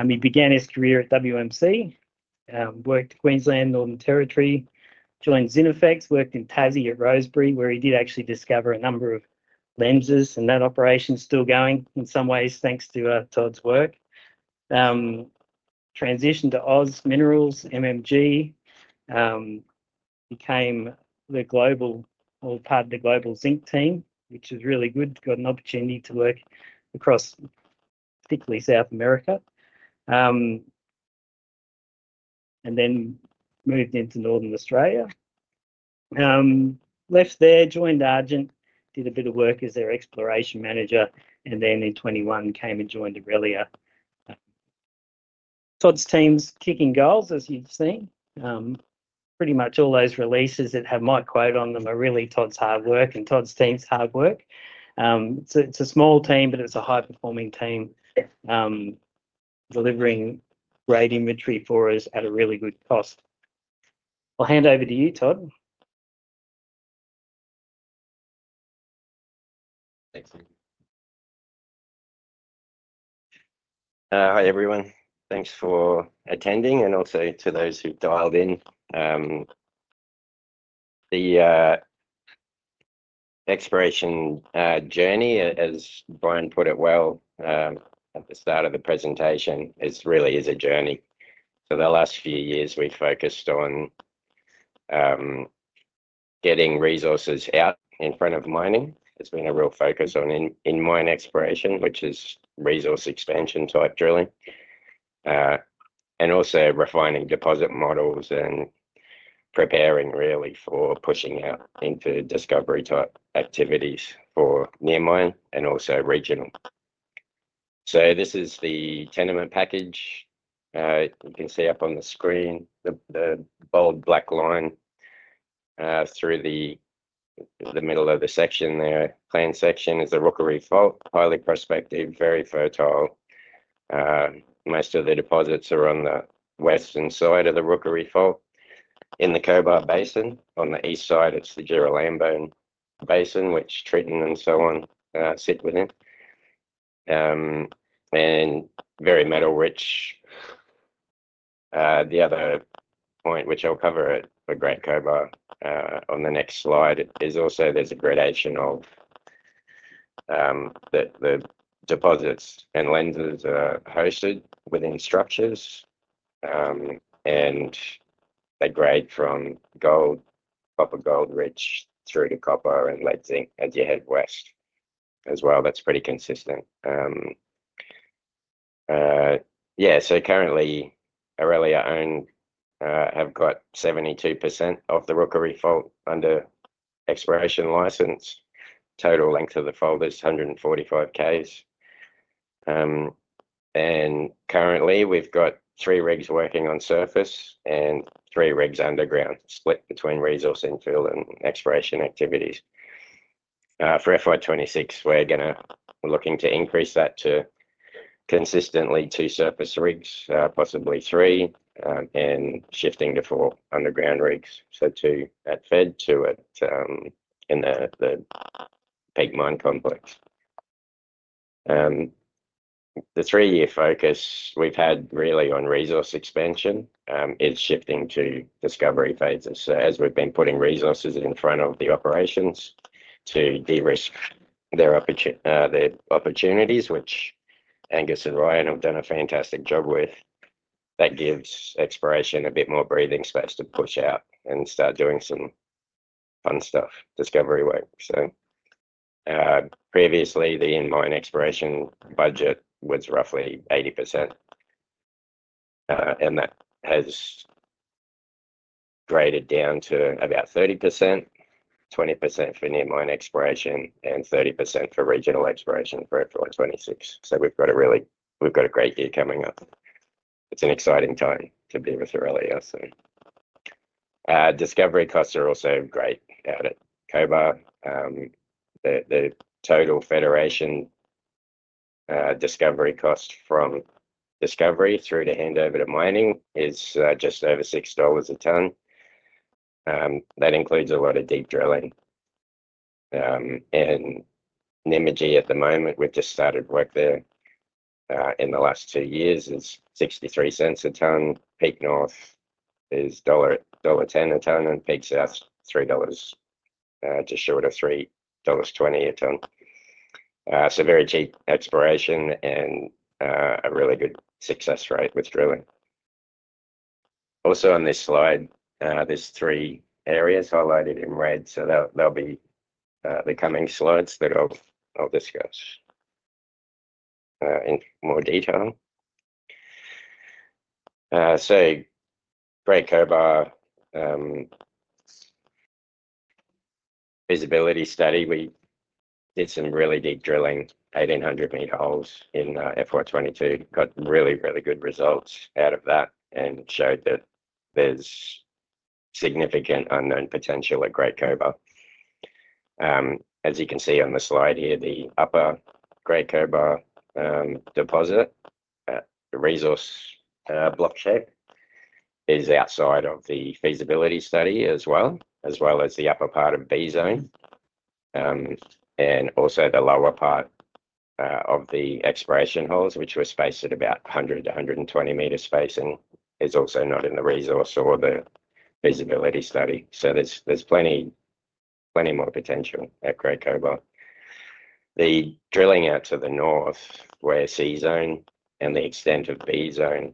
[SPEAKER 6] He began his career at WMC, worked Queensland, Northern Territory, joined Zinifex, worked in Tassie at Rosebery, where he did actually discover a number of lenses. That operation's still going in some ways thanks to Todd's work. Transitioned to Oz Minerals, MMG, became the global or part of the global zinc team, which is really good. Got an opportunity to work across particularly South America. Moved into Northern Australia. Left there, joined Argent, did a bit of work as their exploration manager, and then in 2021 came and joined Aurelia. Todd's team's kicking goals, as you've seen. Pretty much all those releases that have my quote on them are really Todd's hard work and Todd's team's hard work. It's a small team, but it's a high-performing team delivering great inventory for us at a really good cost. I'll hand over to you, Todd.
[SPEAKER 9] Thanks, Mike. Hi everyone. Thanks for attending. Also to those who've dialed in. The exploration journey, as Bryan put it well at the start of the presentation, really is a journey. The last few years, we focused on getting resources out in front of mining. There's been a real focus on in-mining exploration, which is resource expansion-type drilling, and also refining deposit models and preparing really for pushing out into discovery-type activities for near-mining and also regional. This is the tenement package. You can see up on the screen, the bold black line through the middle of the section there, planned section, is the Rookery Fault, highly prospective, very fertile. Most of the deposits are on the western side of the Rookery Fault. In the Cobar Basin, on the east side, it's the Jurra-Lambone Basin, which Triton and so on sit within. Very metal-rich. The other point, which I'll cover at the Great Cobar on the next slide, is also there's a gradation of the deposits and lenses are hosted within structures. They grade from copper-gold-rich through to copper and lead zinc as you head west as well. That's pretty consistent. Yeah. Currently, Aurelia own, have got 72% of the Rookery Fault under exploration license. Total length of the fault is 145 km. Currently, we've got three rigs working on surface and three rigs underground, split between resource infill and exploration activities. For FY2026, we're going to looking to increase that to consistently two surface rigs, possibly three, and shifting to four underground rigs. Two at Federation, two in the Peak mine complex. The three-year focus we've had really on resource expansion is shifting to discovery phases. As we have been putting resources in front of the operations to de-risk their opportunities, which Angus and Ryan have done a fantastic job with, that gives exploration a bit more breathing space to push out and start doing some fun stuff, discovery work. Previously, the in-mining exploration budget was roughly 80%. That has graded down to about 30%, 20% for near-mining exploration, and 30% for regional exploration for FY 2026. We have a really great year coming up. It is an exciting time to be with Aurelia. Discovery costs are also great out at Cobar. The total Federation discovery cost from discovery through to handover to mining is just over 6 dollars a tonne. That includes a lot of deep drilling. At Nymagee, at the moment, we have just started work there in the last two years, it is 0.63 a tonne. Peak North is dollar 1.10 a tonne and Peak South 3 dollars to short of 3.20 dollars a tonne. So very cheap exploration and a really good success rate with drilling. Also on this slide, there are three areas highlighted in red. They will be the coming slides that I'll discuss in more detail. Great Cobar feasibility study, we did some really deep drilling, 1,800 m holes in FY 2022. Got really, really good results out of that and showed that there is significant unknown potential at Great Cobar. As you can see on the slide here, the Upper Great Cobar deposit, the resource block shape, is outside of the feasibility study as well, as well as the upper part of B Zone. Also, the lower part of the exploration holes, which were spaced at about 100 m-120 m spacing, is also not in the resource or the feasibility study. There's plenty more potential at Great Cobar. The drilling out to the north, where C zone and the extent of B zone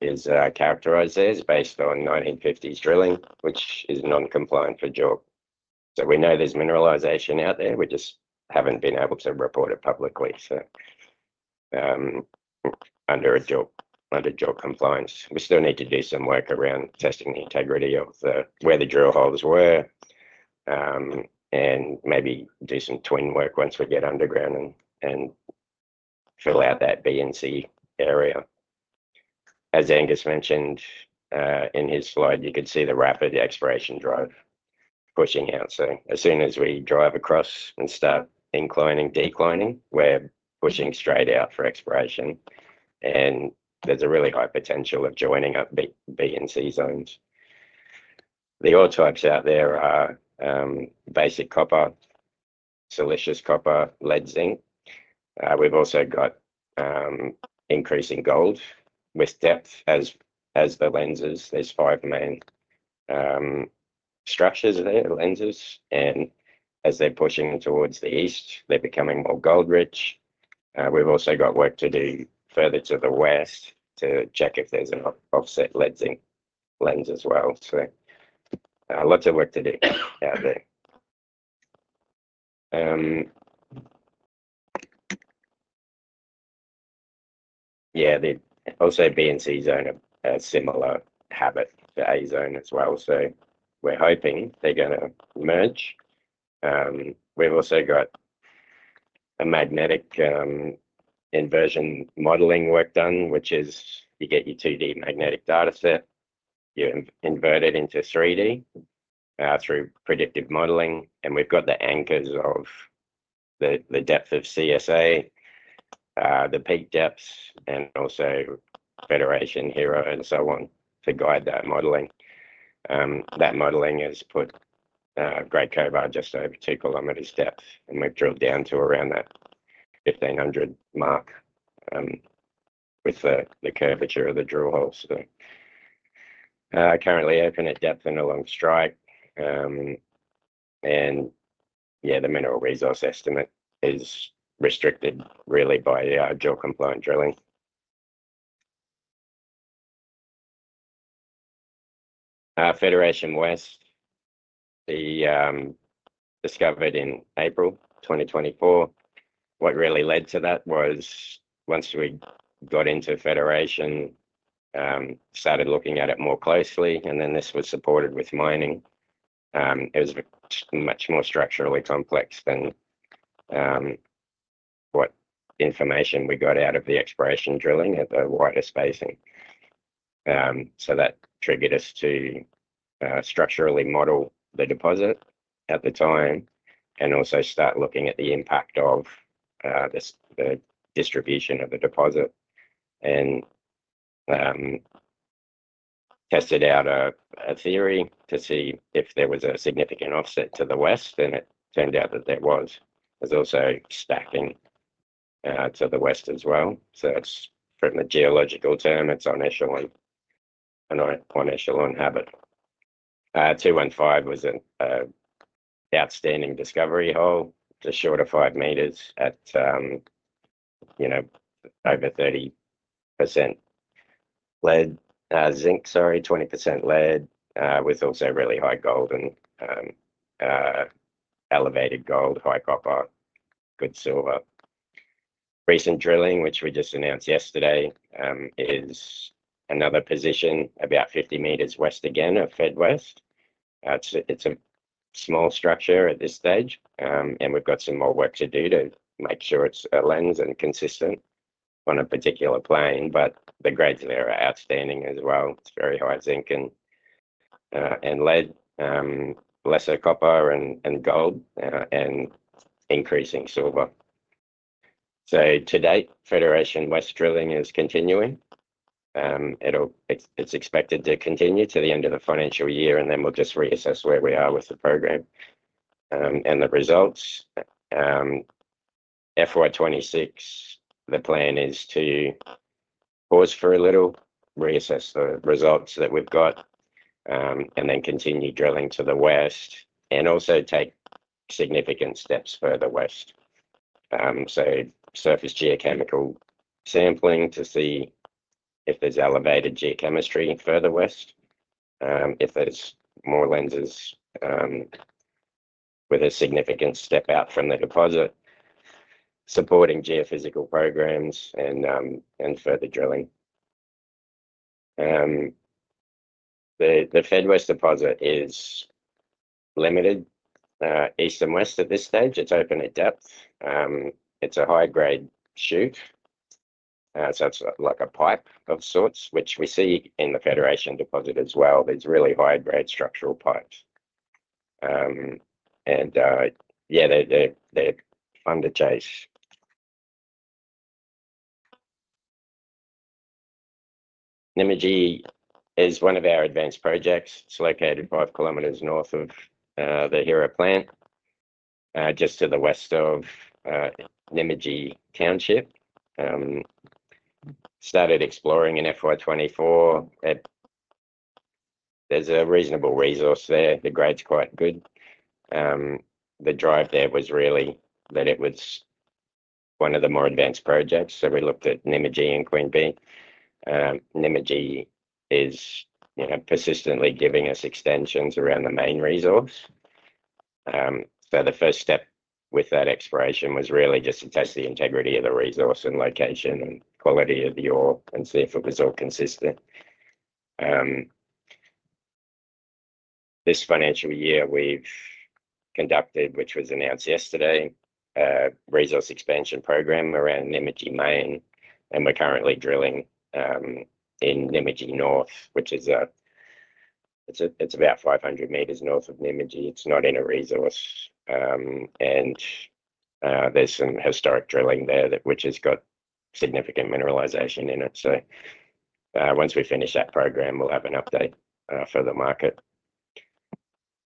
[SPEAKER 9] is characterized, is based on 1950s drilling, which is non-compliant for JORC. We know there's mineralization out there. We just haven't been able to report it publicly, under JORC compliance. We still need to do some work around testing the integrity of where the drill holes were and maybe do some twin work once we get underground and fill out that B and C area. As Angus mentioned in his slide, you could see the rapid exploration drive pushing out. As soon as we drive across and start inclining, declining, we're pushing straight out for exploration. There's a really high potential of joining up B and C zones. The ore types out there are basic copper, siliceous copper, lead, zinc. We've also got increasing gold with depth as the lenses. There are five main structures there, lenses. As they're pushing towards the east, they're becoming more gold-rich. We've also got work to do further to the west to check if there's an offset lead zinc lens as well. Lots of work to do out there. Yeah. Also, B and C zone are similar habit to A zone as well. We're hoping they're going to merge. We've also got a magnetic inversion modelling work done, which is you get your 2D magnetic data set, you invert it into 3D through predictive modelling. We've got the anchors of the depth of CSA, the Peak depths, and also Federation, Hera, and so on to guide that modelling. That modelling has put Great Cobar just over 2 km depth. We have drilled down to around that 1,500 mark with the curvature of the drill holes. It is currently open at depth and along strike. The mineral resource estimate is restricted really by JORC-compliant drilling. Federation West, discovered in April 2024. What really led to that was once we got into Federation, started looking at it more closely. This was supported with mining. It was much more structurally complex than what information we got out of the exploration drilling at the wider spacing. That triggered us to structurally model the deposit at the time and also start looking at the impact of the distribution of the deposit and tested out a theory to see if there was a significant offset to the west. It turned out that there was. There is also stacking to the west as well. From a geological term, it's on echelon and on echelon habit. 215 m was an outstanding discovery hole, just short of 5 m at over 30% zinc, sorry, 20% lead with also really high gold and elevated gold, high copper, good silver. Recent drilling, which we just announced yesterday, is another position about 50 m west again of feed west. It's a small structure at this stage. We have some more work to do to make sure it's a lens and consistent on a particular plane. The grades there are outstanding as well. It's very high zinc and lead, lesser copper and gold, and increasing silver. To date, Federation West drilling is continuing. It's expected to continue to the end of the financial year. We will just reassess where we are with the program and the results. FY 2026, the plan is to pause for a little, reassess the results that we've got, and then continue drilling to the west and also take significant steps further west. Surface geochemical sampling to see if there's elevated geochemistry further west, if there's more lenses with a significant step out from the deposit, supporting geophysical programs and further drilling. The Feed West deposit is limited east and west at this stage. It's open at depth. It's a high-grade chute. It's like a pipe of sorts, which we see in the Federation deposit as well. These really high-grade structural pipes. Yeah, they're under chase. Nymagee is one of our advanced projects. It's located 5 km north of the Hera plant, just to the west of Nymagee township. Started exploring in FY 2024. There's a reasonable resource there. The grade's quite good. The drive there was really that it was one of the more advanced projects. We looked at Nymagee and Queen Bee. Nymagee is persistently giving us extensions around the main resource. The first step with that exploration was really just to test the integrity of the resource and location and quality of the ore and see if it was all consistent. This financial year, we have conducted, which was announced yesterday, a resource expansion program around Nymagee Main. We are currently drilling in Nymagee North, which is about 500 m north of Nymagee. It is not in a resource. There is some historic drilling there, which has got significant mineralization in it. Once we finish that program, we will have an update for the market.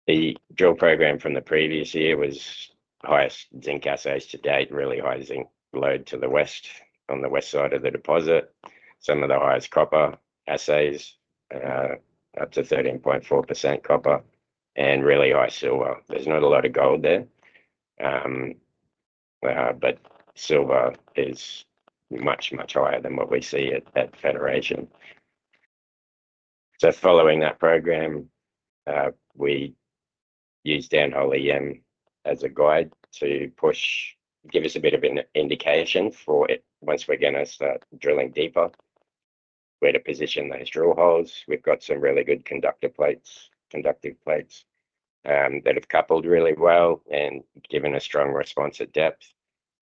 [SPEAKER 9] The drill program from the previous year was highest zinc assays to date, really high zinc load to the west on the west side of the deposit. Some of the highest copper assays, up to 13.4% copper, and really high silver. There's not a lot of gold there. Silver is much, much higher than what we see at Federation. Following that program, we used Dan Holey M as a guide to give us a bit of an indication for it once we're going to start drilling deeper, where to position those drill holes. We've got some really good conductive plates that have coupled really well and given a strong response at depth.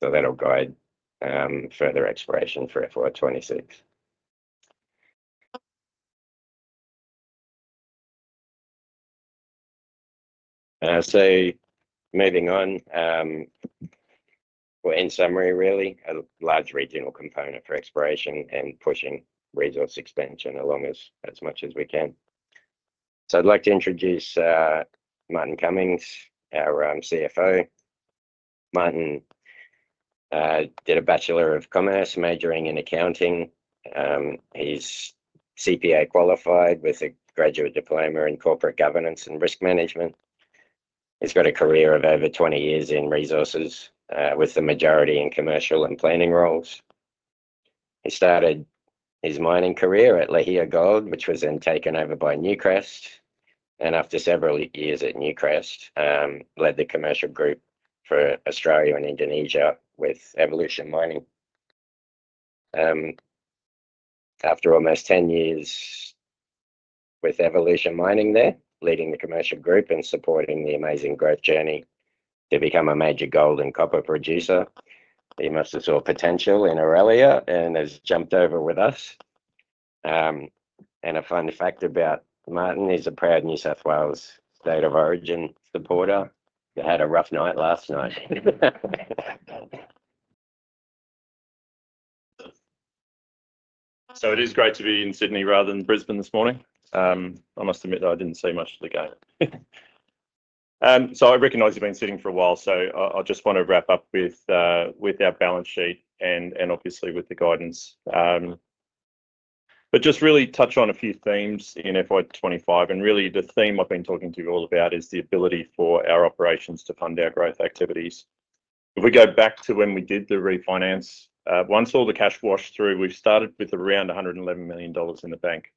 [SPEAKER 9] That will guide further exploration for FY 2026. Moving on, in summary, really, a large regional component for exploration and pushing resource expansion along as much as we can. I'd like to introduce Martin Cummings, our CFO. Martin did a Bachelor of Commerce majoring in accounting. He's CPA qualified with a graduate diploma in corporate governance and risk management. He's got a career of over 20 years in resources with the majority in commercial and planning roles. He started his mining career at Leghia Gold, which was then taken over by Newcrest. After several years at Newcrest, he led the commercial group for Australia and Indonesia with Evolution Mining. After almost 10 years with Evolution Mining there, leading the commercial group and supporting the amazing growth journey to become a major gold and copper producer, he must have saw potential in Aurelia and has jumped over with us. A fun fact about Martin is he's a proud New South Wales state of origin supporter. He had a rough night last night.
[SPEAKER 1] It is great to be in Sydney rather than Brisbane this morning. I must admit that I did not see much of the game. I recognize you have been sitting for a while. I just want to wrap up with our balance sheet and obviously with the guidance. I just really want to touch on a few themes in FY 2025. Really, the theme I have been talking to you all about is the ability for our operations to fund our growth activities. If we go back to when we did the refinance, once all the cash washed through, we started with around 111 million dollars in the bank.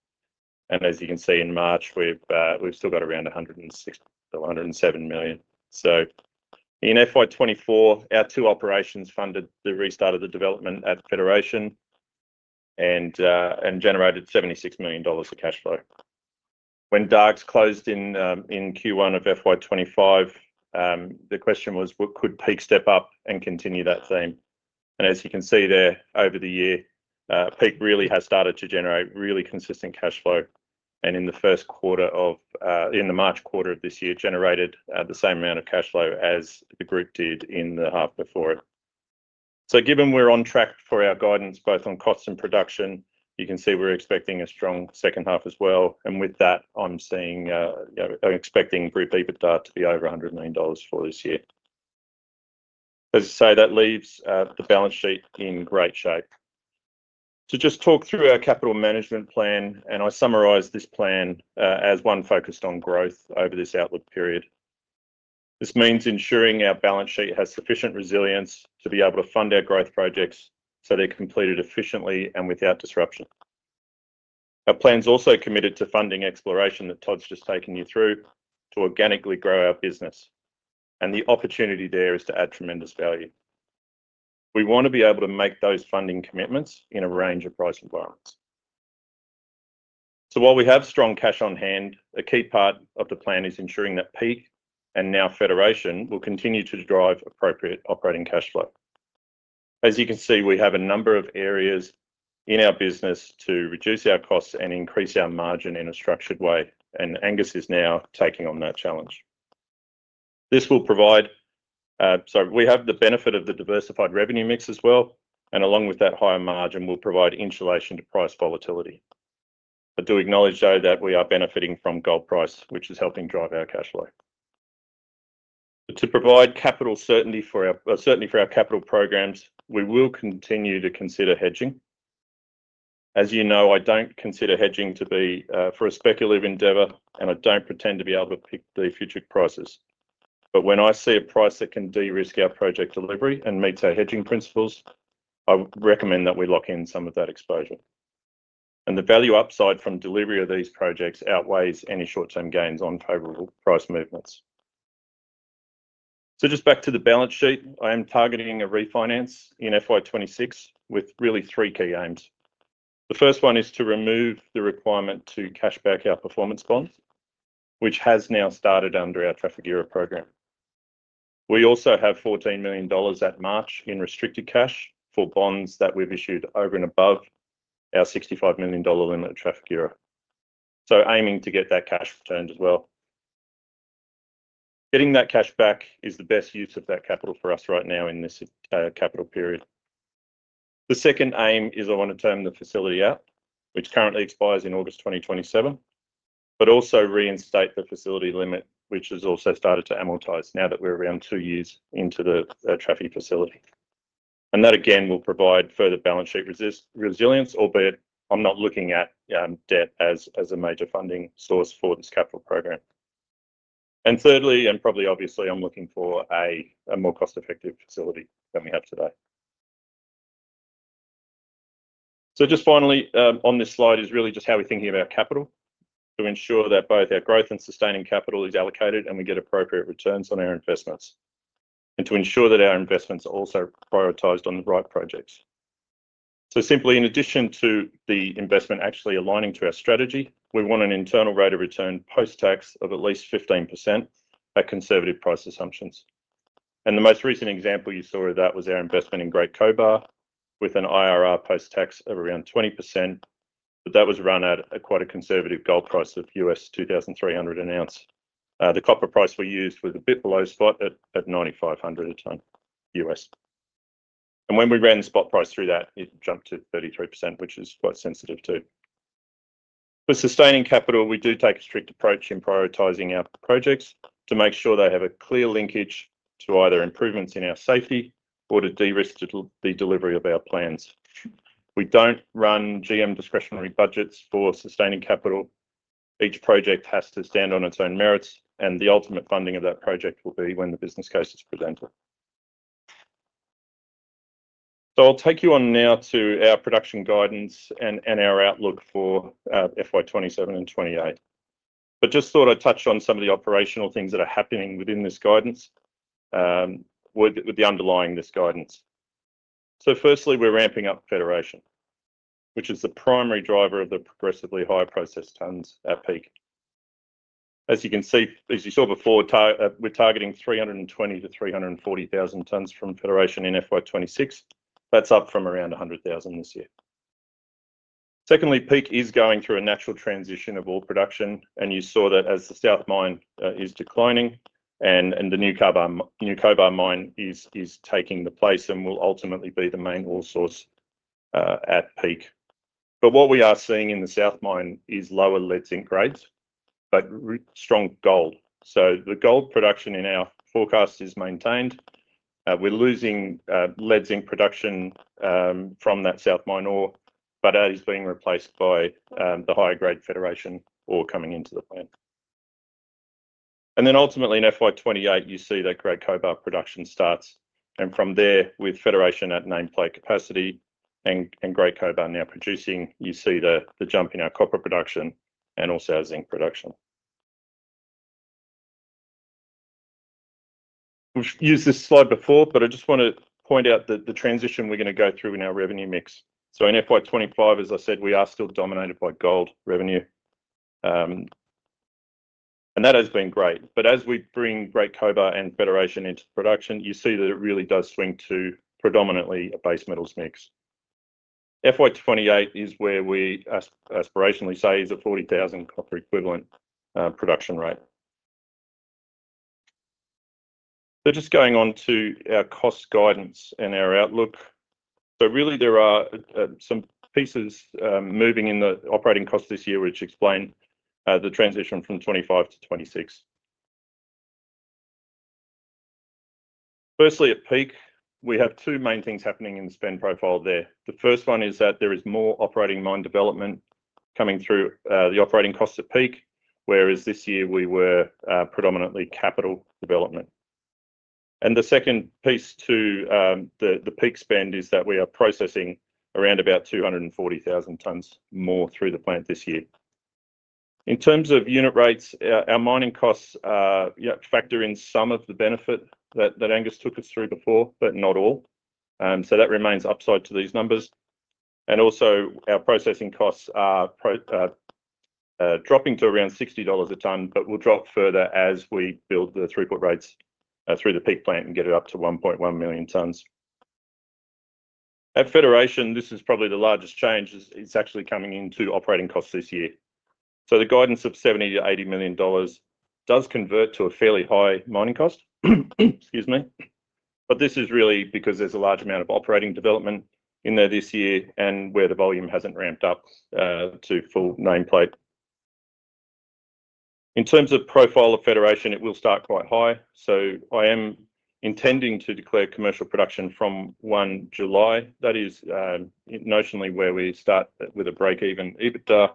[SPEAKER 1] As you can see in March, we have still got around 107 million. In FY 2024, our two operations funded the restart of the development at Federation and generated 76 million dollars of cash flow. When Dargues closed in Q1 of FY 2025, the question was, could Peak step up and continue that theme? As you can see there, over the year, Peak really has started to generate really consistent cash flow. In the March quarter of this year, it generated the same amount of cash flow as the group did in the half before it. Given we are on track for our guidance, both on costs and production, you can see we are expecting a strong second half as well. With that, I am expecting Group EBITDA to be over 100 million dollars for this year. As I say, that leaves the balance sheet in great shape. To just talk through our capital management plan, I summarize this plan as one focused on growth over this outlook period. This means ensuring our balance sheet has sufficient resilience to be able to fund our growth projects so they're completed efficiently and without disruption. Our plan's also committed to funding exploration that Todd's just taken you through to organically grow our business. The opportunity there is to add tremendous value. We want to be able to make those funding commitments in a range of price environments. While we have strong cash on hand, a key part of the plan is ensuring that Peak and now Federation will continue to drive appropriate operating cash flow. As you can see, we have a number of areas in our business to reduce our costs and increase our margin in a structured way. Angus is now taking on that challenge. This will provide so we have the benefit of the diversified revenue mix as well. Along with that higher margin, we will provide insulation to price volatility. I do acknowledge, though, that we are benefiting from gold price, which is helping drive our cash flow. To provide capital certainty for our capital programs, we will continue to consider hedging. As you know, I do not consider hedging to be for a speculative endeavor, and I do not pretend to be able to pick the future prices. When I see a price that can de-risk our project delivery and meets our hedging principles, I recommend that we lock in some of that exposure. The value upside from delivery of these projects outweighs any short-term gains on favorable price movements. Just back to the balance sheet, I am targeting a refinance in FY 2026 with really three key aims. The first one is to remove the requirement to cash back our performance bonds, which has now started under our Traffic HERA program. We also have 14 million dollars at March in restricted cash for bonds that we've issued over and above our 65 million dollar limit of Traffic HERA. Aiming to get that cash returned as well. Getting that cash back is the best use of that capital for us right now in this capital period. The second aim is I want to term the facility out, which currently expires in August 2027, but also reinstate the facility limit, which has also started to amortise now that we're around two years into the Traffic facility. That, again, will provide further balance sheet resilience, albeit I'm not looking at debt as a major funding source for this capital program. Thirdly, and probably obviously, I'm looking for a more cost-effective facility than we have today. Finally, on this slide is really just how we're thinking about capital to ensure that both our growth and sustaining capital is allocated and we get appropriate returns on our investments, and to ensure that our investments are also prioritised on the right projects. Simply, in addition to the investment actually aligning to our strategy, we want an internal rate of return post-tax of at least 15% at conservative price assumptions. The most recent example you saw of that was our investment in Great Cobar with an IRR post-tax of around 20%. That was run at quite a conservative gold price of $2,300 an ounce. The copper price we used was a bit below spot at $9,500 a tonne. When we ran the spot price through that, it jumped to 33%, which is quite sensitive too. For sustaining capital, we do take a strict approach in prioritizing our projects to make sure they have a clear linkage to either improvements in our safety or to de-risk the delivery of our plans. We do not run GM discretionary budgets for sustaining capital. Each project has to stand on its own merits, and the ultimate funding of that project will be when the business case is presented. I will take you on now to our production guidance and our outlook for FY 2027 and FY 2028. I just thought I would touch on some of the operational things that are happening within this guidance, underlying this guidance. Firstly, we are ramping up Federation, which is the primary driver of the progressively higher process tonnes at Peak. As you can see, as you saw before, we're targeting 320,000-340,000 tonnes from Federation in FY 2026. That's up from around 100,000 this year. Secondly, Peak is going through a natural transition of ore production, and you saw that as the South Mine is declining and the New Cobar Mine is taking the place and will ultimately be the main ore source at Peak. What we are seeing in the South Mine is lower lead zinc grades, but strong gold. The gold production in our forecast is maintained. We're losing lead zinc production from that South Mine ore, but that is being replaced by the higher grade Federation ore coming into the plant. Ultimately, in FY 2028, you see that Great Cobar production starts. From there, with Federation at nameplate capacity and Great Cobar now producing, you see the jump in our copper production and also our zinc production. We've used this slide before, but I just want to point out the transition we're going to go through in our revenue mix. In FY 2025, as I said, we are still dominated by gold revenue. That has been great. As we bring Great Cobar and Federation into production, you see that it really does swing to predominantly a base metals mix. FY 2028 is where we aspirationally say is a 40,000 copper equivalent production rate. Just going on to our cost guidance and our outlook, there are some pieces moving in the operating costs this year, which explain the transition from 2025 to 2026. Firstly, at Peak, we have two main things happening in the spend profile there. The first one is that there is more operating mine development coming through the operating costs at Peak, whereas this year we were predominantly capital development. The second piece to the Peak spend is that we are processing around about 240,000 tonnes more through the plant this year. In terms of unit rates, our mining costs factor in some of the benefit that Angus took us through before, but not all. That remains upside to these numbers. Also, our processing costs are dropping to around 60 dollars a tonne, but will drop further as we build the throughput rates through the Peak plant and get it up to 1.1 million tonnes. At Federation, this is probably the largest change. It is actually coming into operating costs this year. The guidance of 70 million-80 million dollars does convert to a fairly high mining cost, excuse me. This is really because there is a large amount of operating development in there this year and where the volume has not ramped up to full nameplate. In terms of profile of Federation, it will start quite high. I am intending to declare commercial production from 1 July. That is notionally where we start with a break-even EBITDA.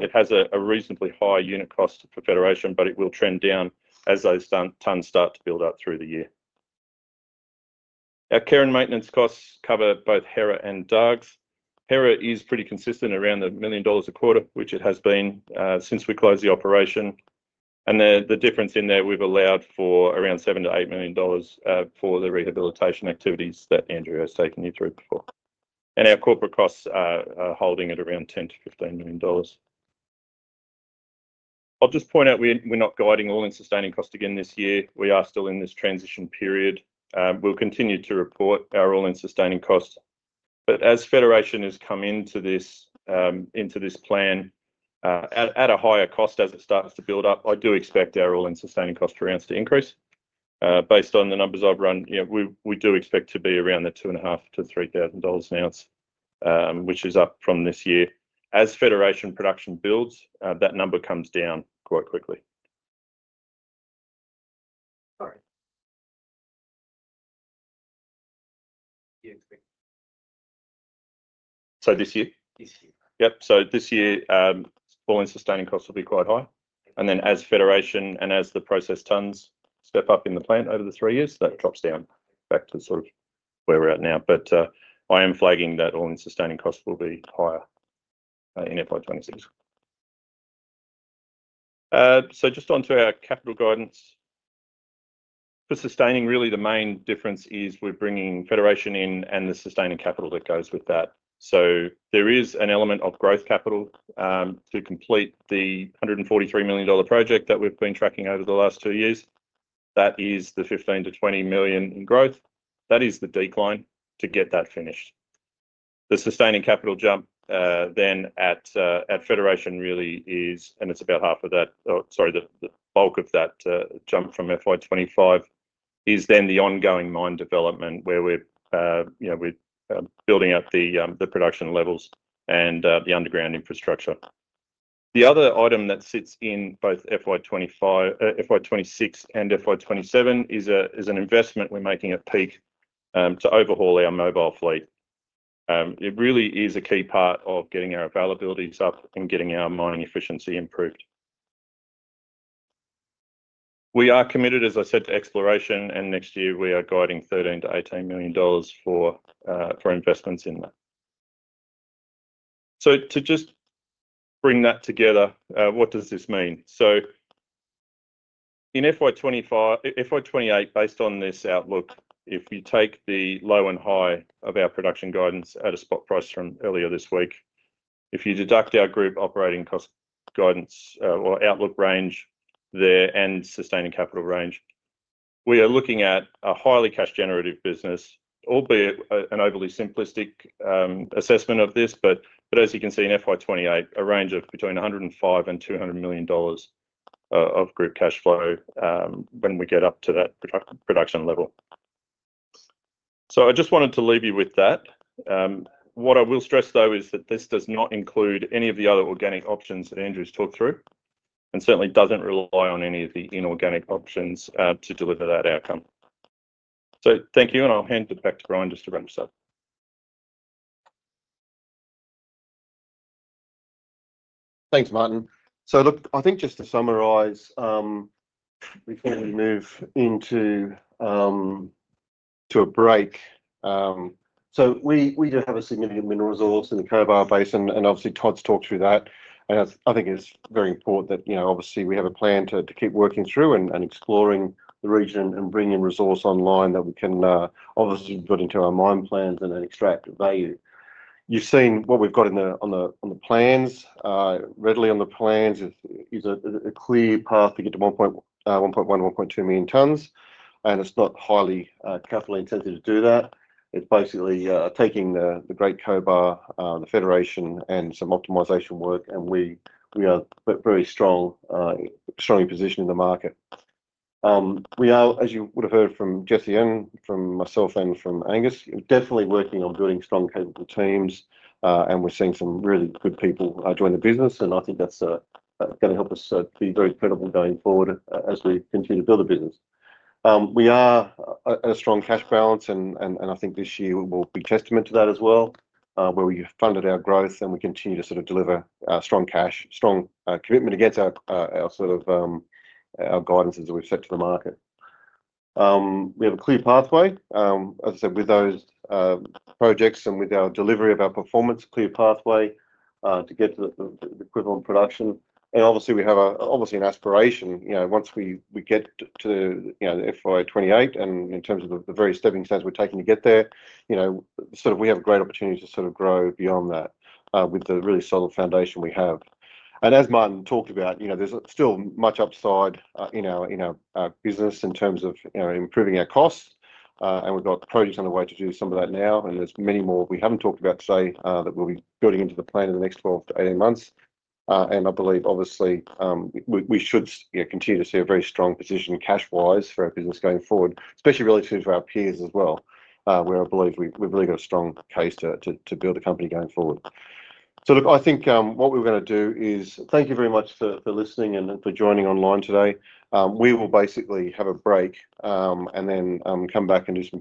[SPEAKER 1] It has a reasonably high unit cost for Federation, but it will trend down as those tonnes start to build up through the year. Our care and maintenance costs cover both Hera and Dargues. Hera is pretty consistent around 1 million dollars a quarter, which it has been since we closed the operation. The difference in there, we have allowed for around 7 million-8 million dollars for the rehabilitation activities that Andrew has taken you through before. Our corporate costs are holding at around 10 million-15 million dollars. I'll just point out we're not guiding all-in sustaining cost again this year. We are still in this transition period. We'll continue to report our all-in sustaining cost. But as Federation has come into this plan at a higher cost as it starts to build up, I do expect our all-in sustaining costs per ounce to increase. Based on the numbers I've run, we do expect to be around the 2,500-3,000 dollars an ounce, which is up from this year. As Federation production builds, that number comes down quite quickly. Sorry. This year? This year. Yep. This year, all-in sustaining costs will be quite high. As Federation and as the process tonnes step up in the plant over the three years, that drops down back to sort of where we're at now. I am flagging that all-in sustaining costs will be higher in FY 2026. Just onto our capital guidance. For sustaining, really the main difference is we're bringing Federation in and the sustaining capital that goes with that. There is an element of growth capital to complete the 143 million dollar project that we've been tracking over the last two years. That is the 15 million-20 million in growth. That is the decline to get that finished. The sustaining capital jump then at Federation really is, and it's about half of that, sorry, the bulk of that jump from FY 2025 is then the ongoing mine development where we're building up the production levels and the underground infrastructure. The other item that sits in both FY 2026 and FY 2027 is an investment we're making at Peak to overhaul our mobile fleet. It really is a key part of getting our availabilities up and getting our mining efficiency improved. We are committed, as I said, to exploration, and next year we are guiding 13 million-18 million dollars for investments in that. To just bring that together, what does this mean? In FY 2028, based on this outlook, if you take the low and high of our production guidance at a spot price from earlier this week, if you deduct our group operating cost guidance or outlook range there and sustaining capital range, we are looking at a highly cash-generative business, albeit an overly simplistic assessment of this. As you can see in FY 2028, a range of between 105 million and 200 million dollars of group cash flow when we get up to that production level. I just wanted to leave you with that. What I will stress, though, is that this does not include any of the other organic options that Andrew's talked through and certainly does not rely on any of the inorganic options to deliver that outcome. Thank you, and I'll hand it back to Bryan just to wrap us up.
[SPEAKER 2] Thanks, Martin. I think just to summarize before we move into a break. We do have a significant mineral resource in the Cobar Basin, and obviously Todd's talked through that. I think it's very important that we have a plan to keep working through and exploring the region and bringing resource online that we can put into our mine plans and then extract value. You've seen what we've got on the plans. Readily on the plans is a clear path to get to 1.1 million-1.2 million tonnes. It is not highly capital-intensive to do that. It is basically taking the Great Cobar, the Federation, and some optimisation work, and we are very strongly positioned in the market. We are, as you would have heard from Jesse, from myself, and from Angus, definitely working on building strong capable teams, and we are seeing some really good people join the business. I think that is going to help us be very credible going forward as we continue to build the business. We are at a strong cash balance, and I think this year will be a testament to that as well, where we funded our growth and we continue to sort of deliver strong cash, strong commitment against our sort of guidances that we have set to the market. We have a clear pathway, as I said, with those projects and with our delivery of our performance, clear pathway to get to the equivalent production. Obviously, we have an aspiration. Once we get to FY 2028 and in terms of the very stepping stones we are taking to get there, we have a great opportunity to grow beyond that with the really solid foundation we have. As Martin talked about, there is still much upside in our business in terms of improving our costs. We have projects on the way to do some of that now, and there are many more we have not talked about today that we will be building into the plan in the next 12 to 18 months. I believe, obviously, we should continue to see a very strong position cash-wise for our business going forward, especially relative to our peers as well, where I believe we have really got a strong case to build a company going forward. I think what we are going to do is thank you very much for listening and for joining online today. We will basically have a break and then come back and do some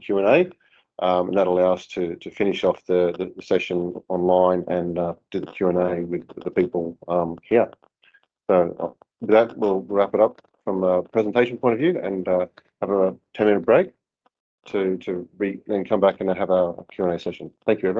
[SPEAKER 2] Q&A. That will allow us to finish off the session online and do the Q&A with the people here. With that, we will wrap it up from a presentation point of view and have a 10-minute break to then come back and have our Q&A session. Thank you.